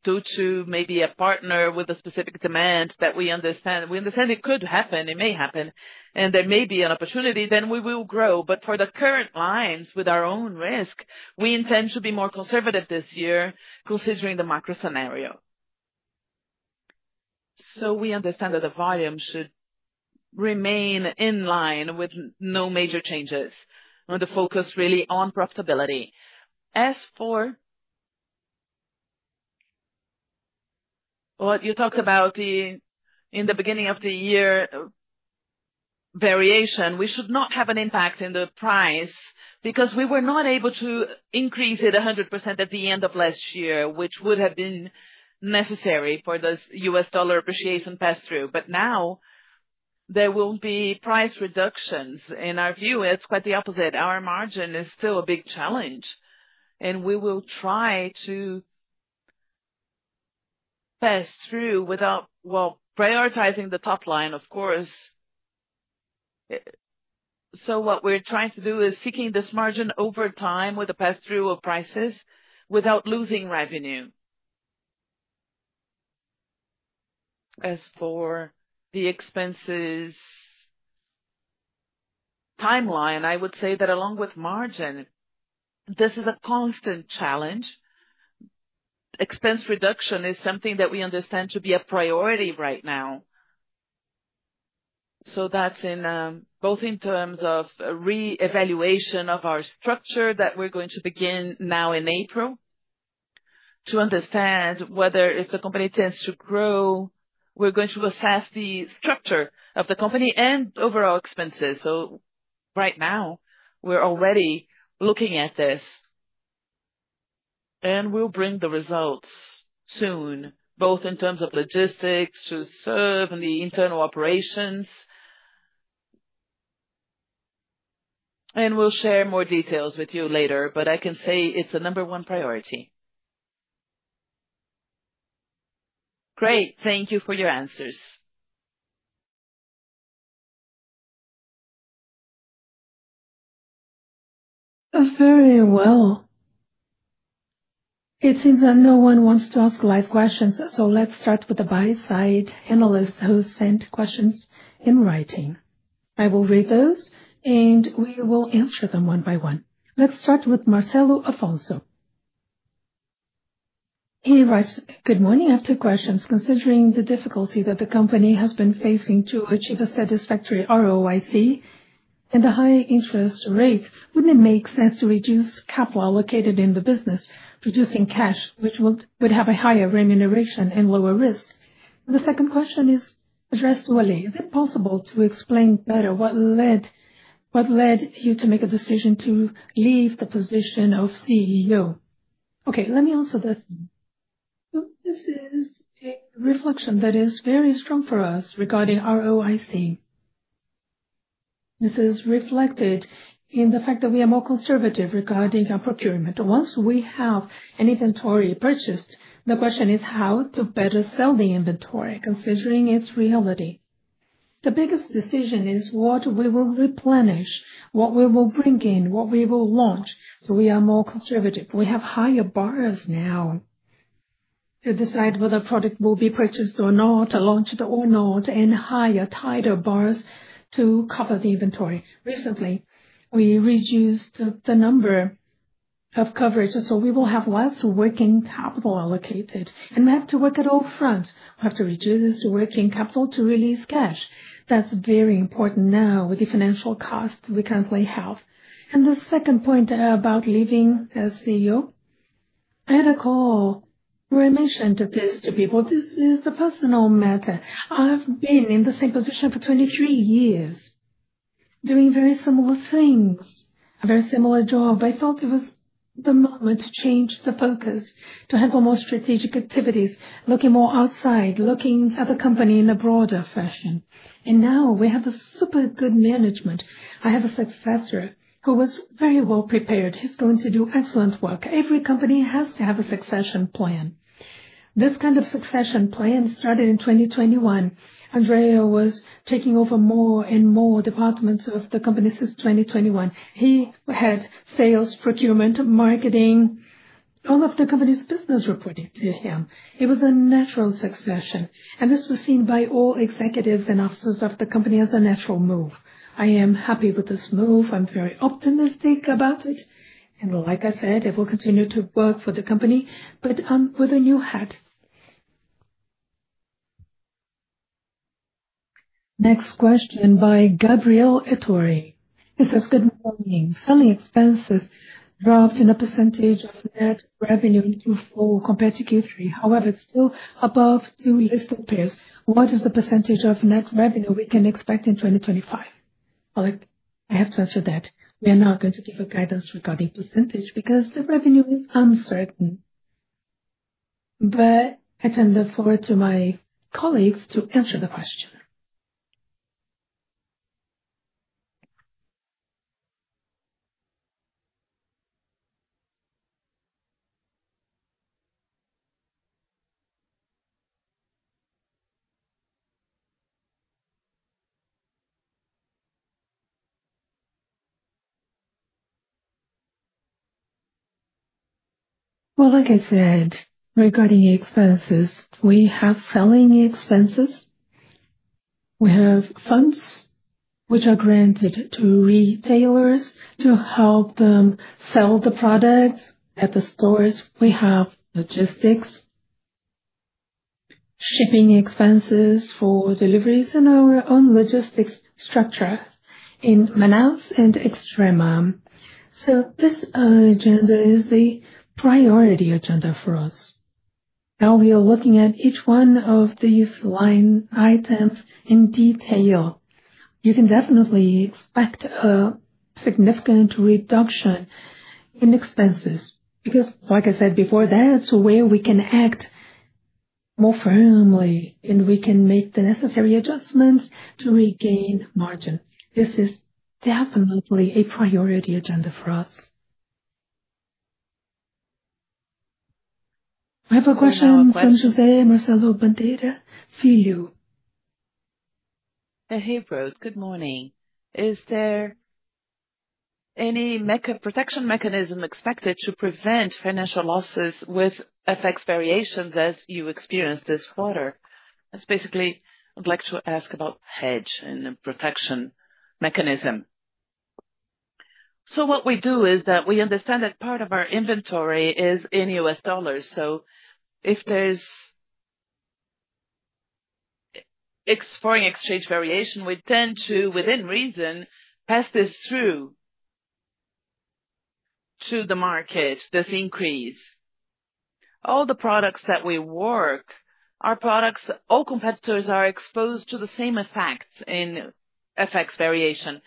due to maybe a partner with a specific demand that we understand, we understand it could happen, it may happen, and there may be an opportunity, we will grow. For the current lines with our own risk, we intend to be more conservative this year considering the macro scenario. We understand that the volume should remain in line with no major changes or the focus really on profitability. As for what you talked about in the beginning of the year variation, we should not have an impact in the price because we were not able to increase it 100% at the end of last year, which would have been necessary for the U.S. dollar appreciation pass-through. Now there will be price reductions. In our view, it's quite the opposite. Our margin is still a big challenge, and we will try to pass through without, you know, prioritizing the top line, of course. What we're trying to do is seeking this margin over time with a pass-through of prices without losing revenue. As for the expenses timeline, I would say that along with margin, this is a constant challenge. Expense reduction is something that we understand to be a priority right now. That's both in terms of re-evaluation of our structure that we're going to begin now in April to understand whether if the company tends to grow, we're going to assess the structure of the company and overall expenses. Right now, we're already looking at this, and we'll bring the results soon, both in terms of logistics to serve and the internal operations. We'll share more details with you later, but I can say it's a number one priority. Great. Thank you for your answers. Very well. It seems that no one wants to ask live questions, so let's start with the buy-side analyst who sent questions in writing. I will read those, and we will answer them one by one. Let's start with Marcelo Afonso. He writes, "Good morning. After questions, considering the difficulty that the company has been facing to achieve a satisfactory ROIC and the high interest rate, wouldn't it make sense to reduce capital located in the business, producing cash, which would have a higher remuneration and lower risk? The second question is addressed to Ali. Is it possible to explain better what led you to make a decision to leave the position of CEO? Okay. Let me answer this. This is a reflection that is very strong for us regarding ROIC. This is reflected in the fact that we are more conservative regarding our procurement. Once we have an inventory purchased, the question is how to better sell the inventory considering its reality. The biggest decision is what we will replenish, what we will bring in, what we will launch. We are more conservative. We have higher bars now to decide whether product will be purchased or not, launched or not, and higher, tighter bars to cover the inventory. Recently, we reduced the number of coverages, so we will have less working capital allocated. We have to work at all fronts. We have to reduce working capital to release cash. That's very important now with the financial costs we currently have. The second point about leaving as CEO, I had a call where I mentioned this to people. This is a personal matter. I've been in the same position for 23 years doing very similar things, a very similar job. I felt it was the moment to change the focus, to have more strategic activities, looking more outside, looking at the company in a broader fashion. Now we have a super good management. I have a successor who was very well prepared. He's going to do excellent work. Every company has to have a succession plan. This kind of succession plan started in 2021. André was taking over more and more departments of the company since 2021. He had sales, procurement, marketing, all of the company's business reporting to him. It was a natural succession. This was seen by all executives and officers of the company as a natural move. I am happy with this move. I'm very optimistic about it. Like I said, I will continue to work for the company, but with a new hat. Next question by Gabriel Itori. He says, "Good morning. Selling expenses dropped in a percentage of net revenue in Q4 compared to Q3. However, it's still above two listed peers. What is the percentage of net revenue we can expect in 2025? I have to answer that. We are not going to give a guidance regarding percentage because the revenue is uncertain. I tend to look forward to my colleagues to answer the question. Like I said, regarding expenses, we have selling expenses. We have funds which are granted to retailers to help them sell the products at the stores. We have logistics, shipping expenses for deliveries, and our own logistics structure in Manaus and Extrema. This agenda is the priority agenda for us. Now we are looking at each one of these line items in detail. You can definitely expect a significant reduction in expenses because, like I said before, that is where we can act more firmly, and we can make the necessary adjustments to regain margin. This is definitely a priority agenda for us. I have a question from José Marcelo Bandeira Filho. Hey, Ruth. Good morning. Is there any protection mechanism expected to prevent financial losses with FX variations as you experience this quarter? That's basically I'd like to ask about hedge and the protection mechanism. What we do is that we understand that part of our inventory is in U.S. dollars. If there's foreign exchange variation, we tend to, within reason, pass this through to the market, this increase. All the products that we work, our products, all competitors are exposed to the same effects in FX variation.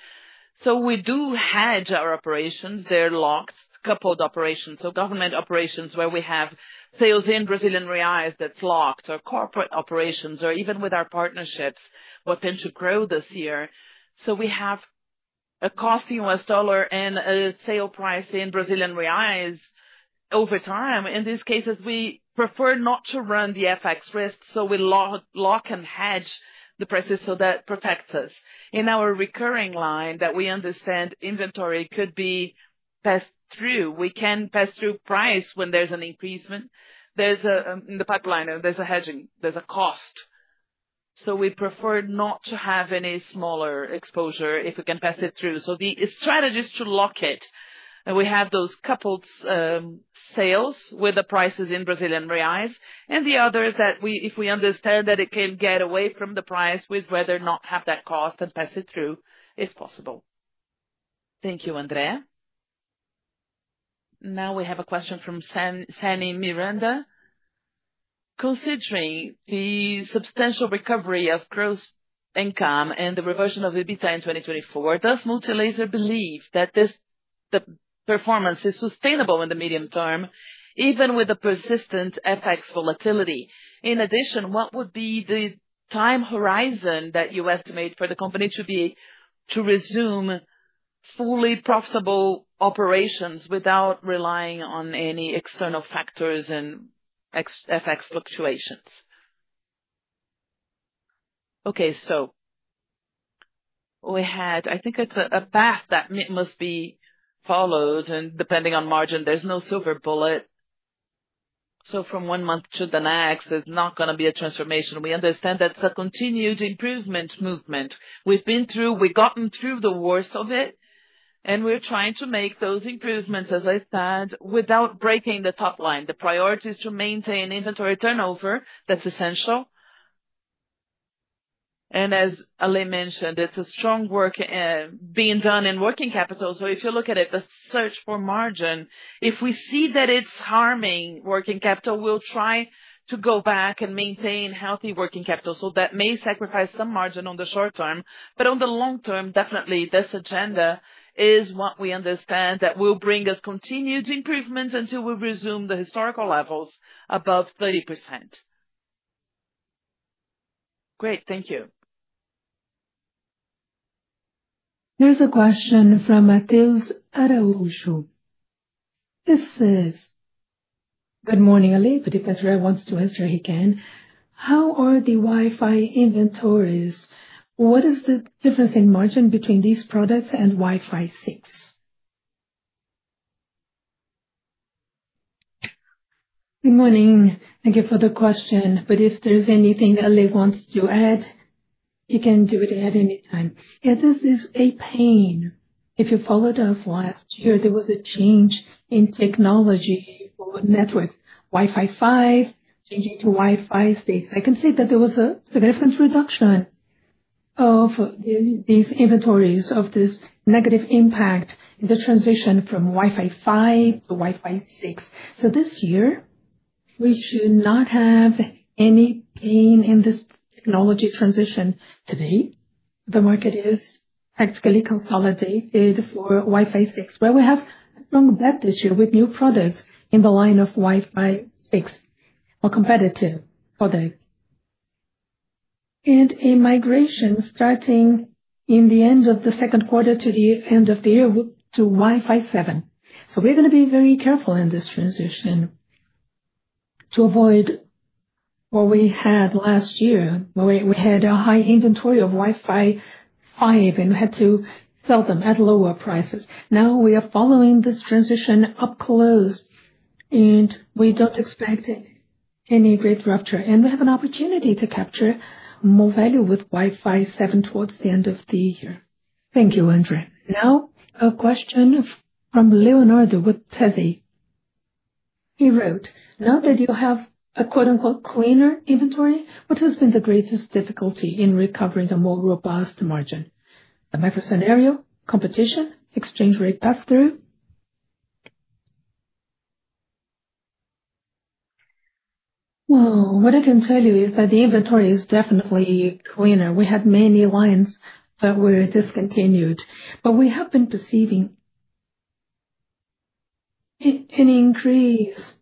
We do hedge our operations. They're locked, coupled operations. Government operations where we have sales in Brazilian reais that's locked, or corporate operations, or even with our partnerships, we're going to grow this year. We have a cost in U.S. dollar and a sale price in Brazilian reais over time. In these cases, we prefer not to run the FX risk, so we lock and hedge the prices so that it protects us. In our recurring line that we understand inventory could be passed through, we can pass through price when there's an increasement. In the pipeline, there's a hedging, there's a cost. We prefer not to have any smaller exposure if we can pass it through. The strategy is to lock it. We have those coupled sales with the prices in Brazilian reais. The other is that if we understand that it can get away from the price with whether or not have that cost and pass it through if possible. Thank you, André. Now we have a question from Sani Miranda. Considering the substantial recovery of gross income and the reversion of EBITDA in 2024, does Multilaser believe that the performance is sustainable in the medium term, even with the persistent FX volatility? In addition, what would be the time horizon that you estimate for the company to resume fully profitable operations without relying on any external factors and FX fluctuations? Okay. I think it's a path that must be followed. Depending on margin, there's no silver bullet. From one month to the next, there's not going to be a transformation. We understand that's a continued improvement movement. We've been through, we've gotten through the worst of it, and we're trying to make those improvements, as I said, without breaking the top line. The priority is to maintain inventory turnover. That's essential. As Ali mentioned, it's a strong work being done in working capital. If you look at it, the search for margin, if we see that it is harming working capital, we will try to go back and maintain healthy working capital. That may sacrifice some margin in the short term, but in the long term, definitely this agenda is what we understand will bring us continued improvements until we resume the historical levels above 30%. Great. Thank you. Here is a question from Matilde Araújo. This says, "Good morning, Ali. But if André wants to answer, he can. How are the Wi-Fi inventories? What is the difference in margin between these products and Wi-Fi 6?" Good morning. Thank you for the question. If there is anything Ali wants to add, you can do it at any time. Yeah, this is a pain. If you followed us last year, there was a change in technology for network, Wi-Fi 5, changing to Wi-Fi 6. I can say that there was a significant reduction of these inventories, of this negative impact in the transition from Wi-Fi 5 to Wi-Fi 6. This year, we should not have any pain in this technology transition. Today, the market is practically consolidated for Wi-Fi 6, where we have a strong bet this year with new products in the line of Wi-Fi 6 or competitive products. A migration is starting in the end of the second quarter to the end of the year to Wi-Fi 7. We are going to be very careful in this transition to avoid what we had last year, where we had a high inventory of Wi-Fi 5 and had to sell them at lower prices. Now we are following this transition up close, and we do not expect any great rupture. We have an opportunity to capture more value with Wi-Fi 7 towards the end of the year. Thank you, André. Now, a question from Leonardo with Tezzi. He wrote, "Now that you have a 'cleaner' inventory, what has been the greatest difficulty in recovering a more robust margin? The micro scenario, competition, exchange rate pass-through?" What I can tell you is that the inventory is definitely cleaner. We had many lines that were discontinued, but we have been perceiving an increase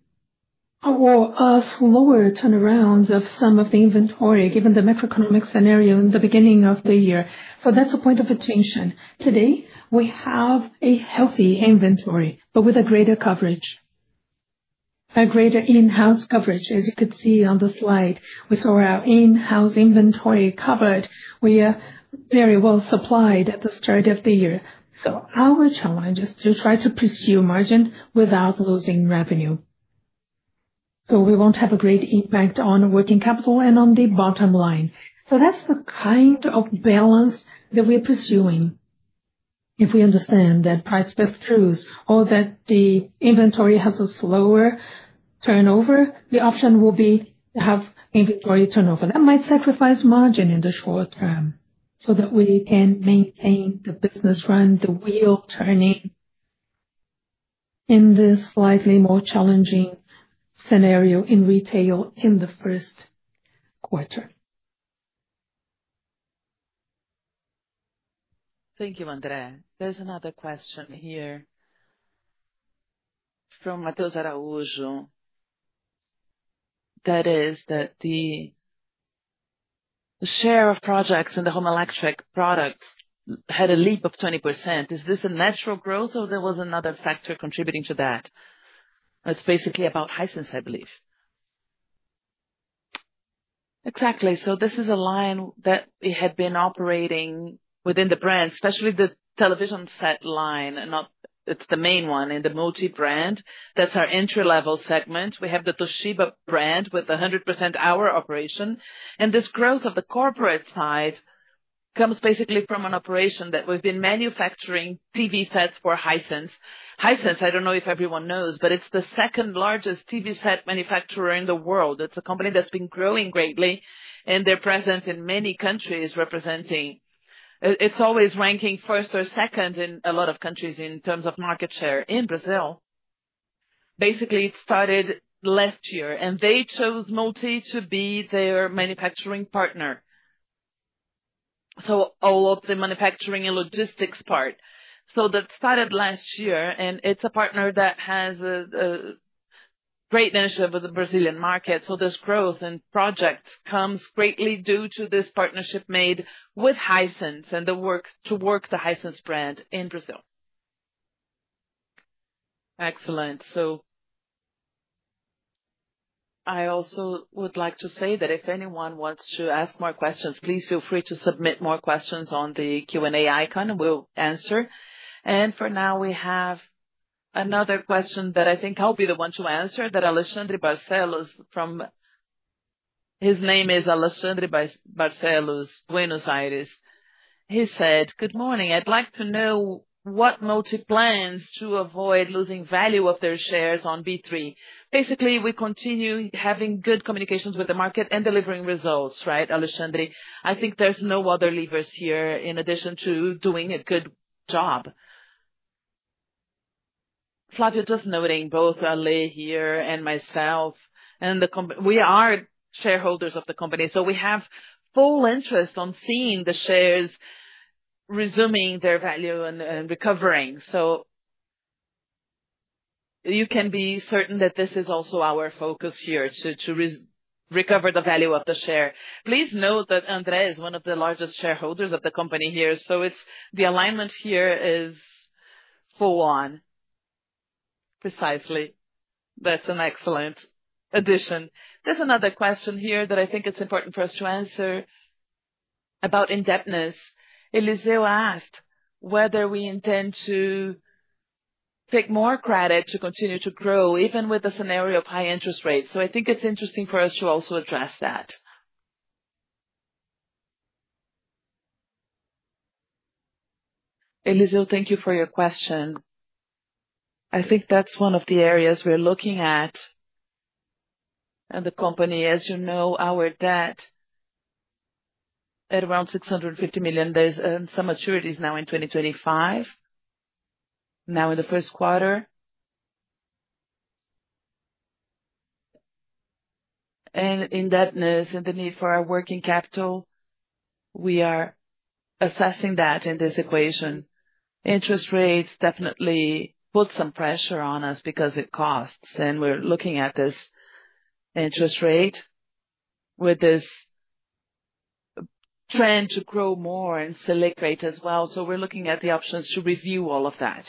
or a slower turnaround of some of the inventory given the macroeconomic scenario in the beginning of the year. That is a point of attention. Today, we have a healthy inventory, but with a greater coverage, a greater in-house coverage, as you could see on the slide. We saw our in-house inventory covered. We are very well supplied at the start of the year. Our challenge is to try to pursue margin without losing revenue. We will not have a great impact on working capital and on the bottom line. That is the kind of balance that we are pursuing. If we understand that price pass-throughs or that the inventory has a slower turnover, the option will be to have inventory turnover. That might sacrifice margin in the short term so that we can maintain the business run, the wheel turning in this slightly more challenging scenario in retail in the first quarter. Thank you, André. There is another question here from Matilde Araújo. That is that the share of projects in the home electric products had a leap of 20%. Is this a natural growth, or was there another factor contributing to that? It is basically about Hisense, I believe. Exactly. This is a line that we had been operating within the brand, especially the television set line. It's the main one in the Multi brand. That's our entry-level segment. We have the Toshiba brand with 100% our operation. This growth of the corporate side comes basically from an operation that we've been manufacturing TV sets for Hisense. Hisense, I don't know if everyone knows, but it's the second largest TV set manufacturer in the world. It's a company that's been growing greatly, and they're present in many countries representing. It's always ranking first or second in a lot of countries in terms of market share in Brazil. Basically, it started last year, and they chose Multi to be their manufacturing partner. All of the manufacturing and logistics part. That started last year, and it's a partner that has a great initiative with the Brazilian market. This growth and project comes greatly due to this partnership made with Hisense and the work to work the Hisense brand in Brazil. Excellent. I also would like to say that if anyone wants to ask more questions, please feel free to submit more questions on the Q&A icon, and we'll answer. For now, we have another question that I think I'll be the one to answer, that Alexandre Barcelos from his name is Alexandre Barcelos, Buenos Aires. He said, "Good morning. I'd like to know what Multi plans to avoid losing value of their shares on B3?" Basically, we continue having good communications with the market and delivering results, right, Alexandre? I think there's no other levers here in addition to doing a good job. Flavia just noting both Ali here and myself. We are shareholders of the company. We have full interest on seeing the shares resuming their value and recovering. You can be certain that this is also our focus here to recover the value of the share. Please note that André is one of the largest shareholders of the company here. The alignment here is for one. Precisely. That's an excellent addition. There's another question here that I think it's important for us to answer about indebtedness. Eliseo asked whether we intend to take more credit to continue to grow even with the scenario of high interest rates. I think it's interesting for us to also address that. Eliseo, thank you for your question. I think that's one of the areas we're looking at. The company, as you know, our debt at around 650 million. There's some maturities now in 2025, now in the first quarter. Indebtedness and the need for our working capital, we are assessing that in this equation. Interest rates definitely put some pressure on us because it costs. We are looking at this interest rate with this trend to grow more and select rate as well. We are looking at the options to review all of that.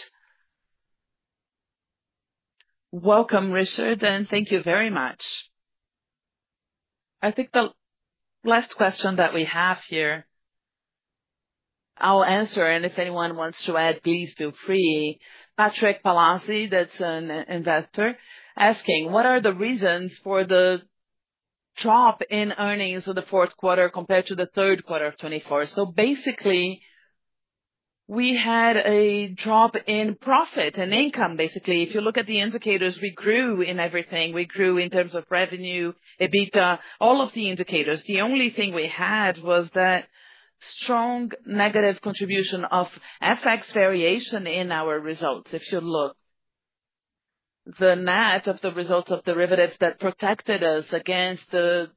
Welcome, Richard, and thank you very much. I think the last question that we have here, I'll answer. If anyone wants to add, please feel free. Patrick Palazzi, that's an investor, asking, "What are the reasons for the drop in earnings of the fourth quarter compared to the third quarter of 2024?" Basically, we had a drop in profit and income. Basically, if you look at the indicators, we grew in everything. We grew in terms of revenue, EBITDA, all of the indicators. The only thing we had was that strong negative contribution of FX variation in our results. If you look, the net of the results of derivatives that protected us against the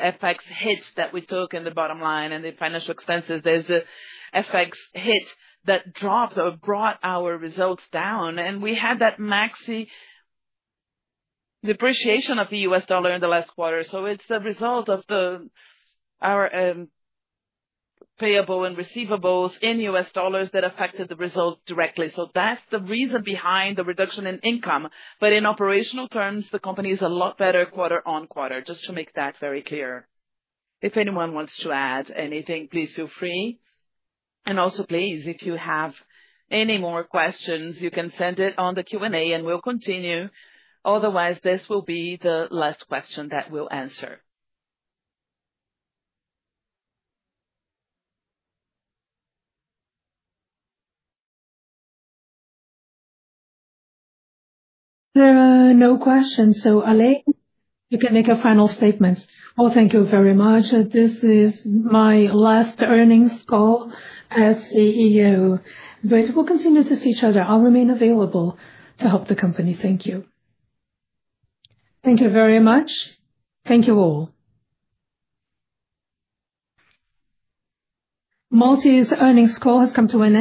FX hits that we took in the bottom line and the financial expenses, there's the FX hit that dropped or brought our results down. We had that maxi depreciation of the U.S. dollar in the last quarter. It is the result of our payable and receivables in U.S. dollars that affected the result directly. That is the reason behind the reduction in income. In operational terms, the company is a lot better quarter on quarter, just to make that very clear. If anyone wants to add anything, please feel free. Also, please, if you have any more questions, you can send it on the Q&A, and we'll continue. Otherwise, this will be the last question that we'll answer. There are no questions. Ali, you can make a final statement. Thank you very much. This is my last earnings call as CEO. But we'll continue to see each other. I'll remain available to help the company. Thank you. Thank you very much. Thank you all. Multi's earnings call has come to an end.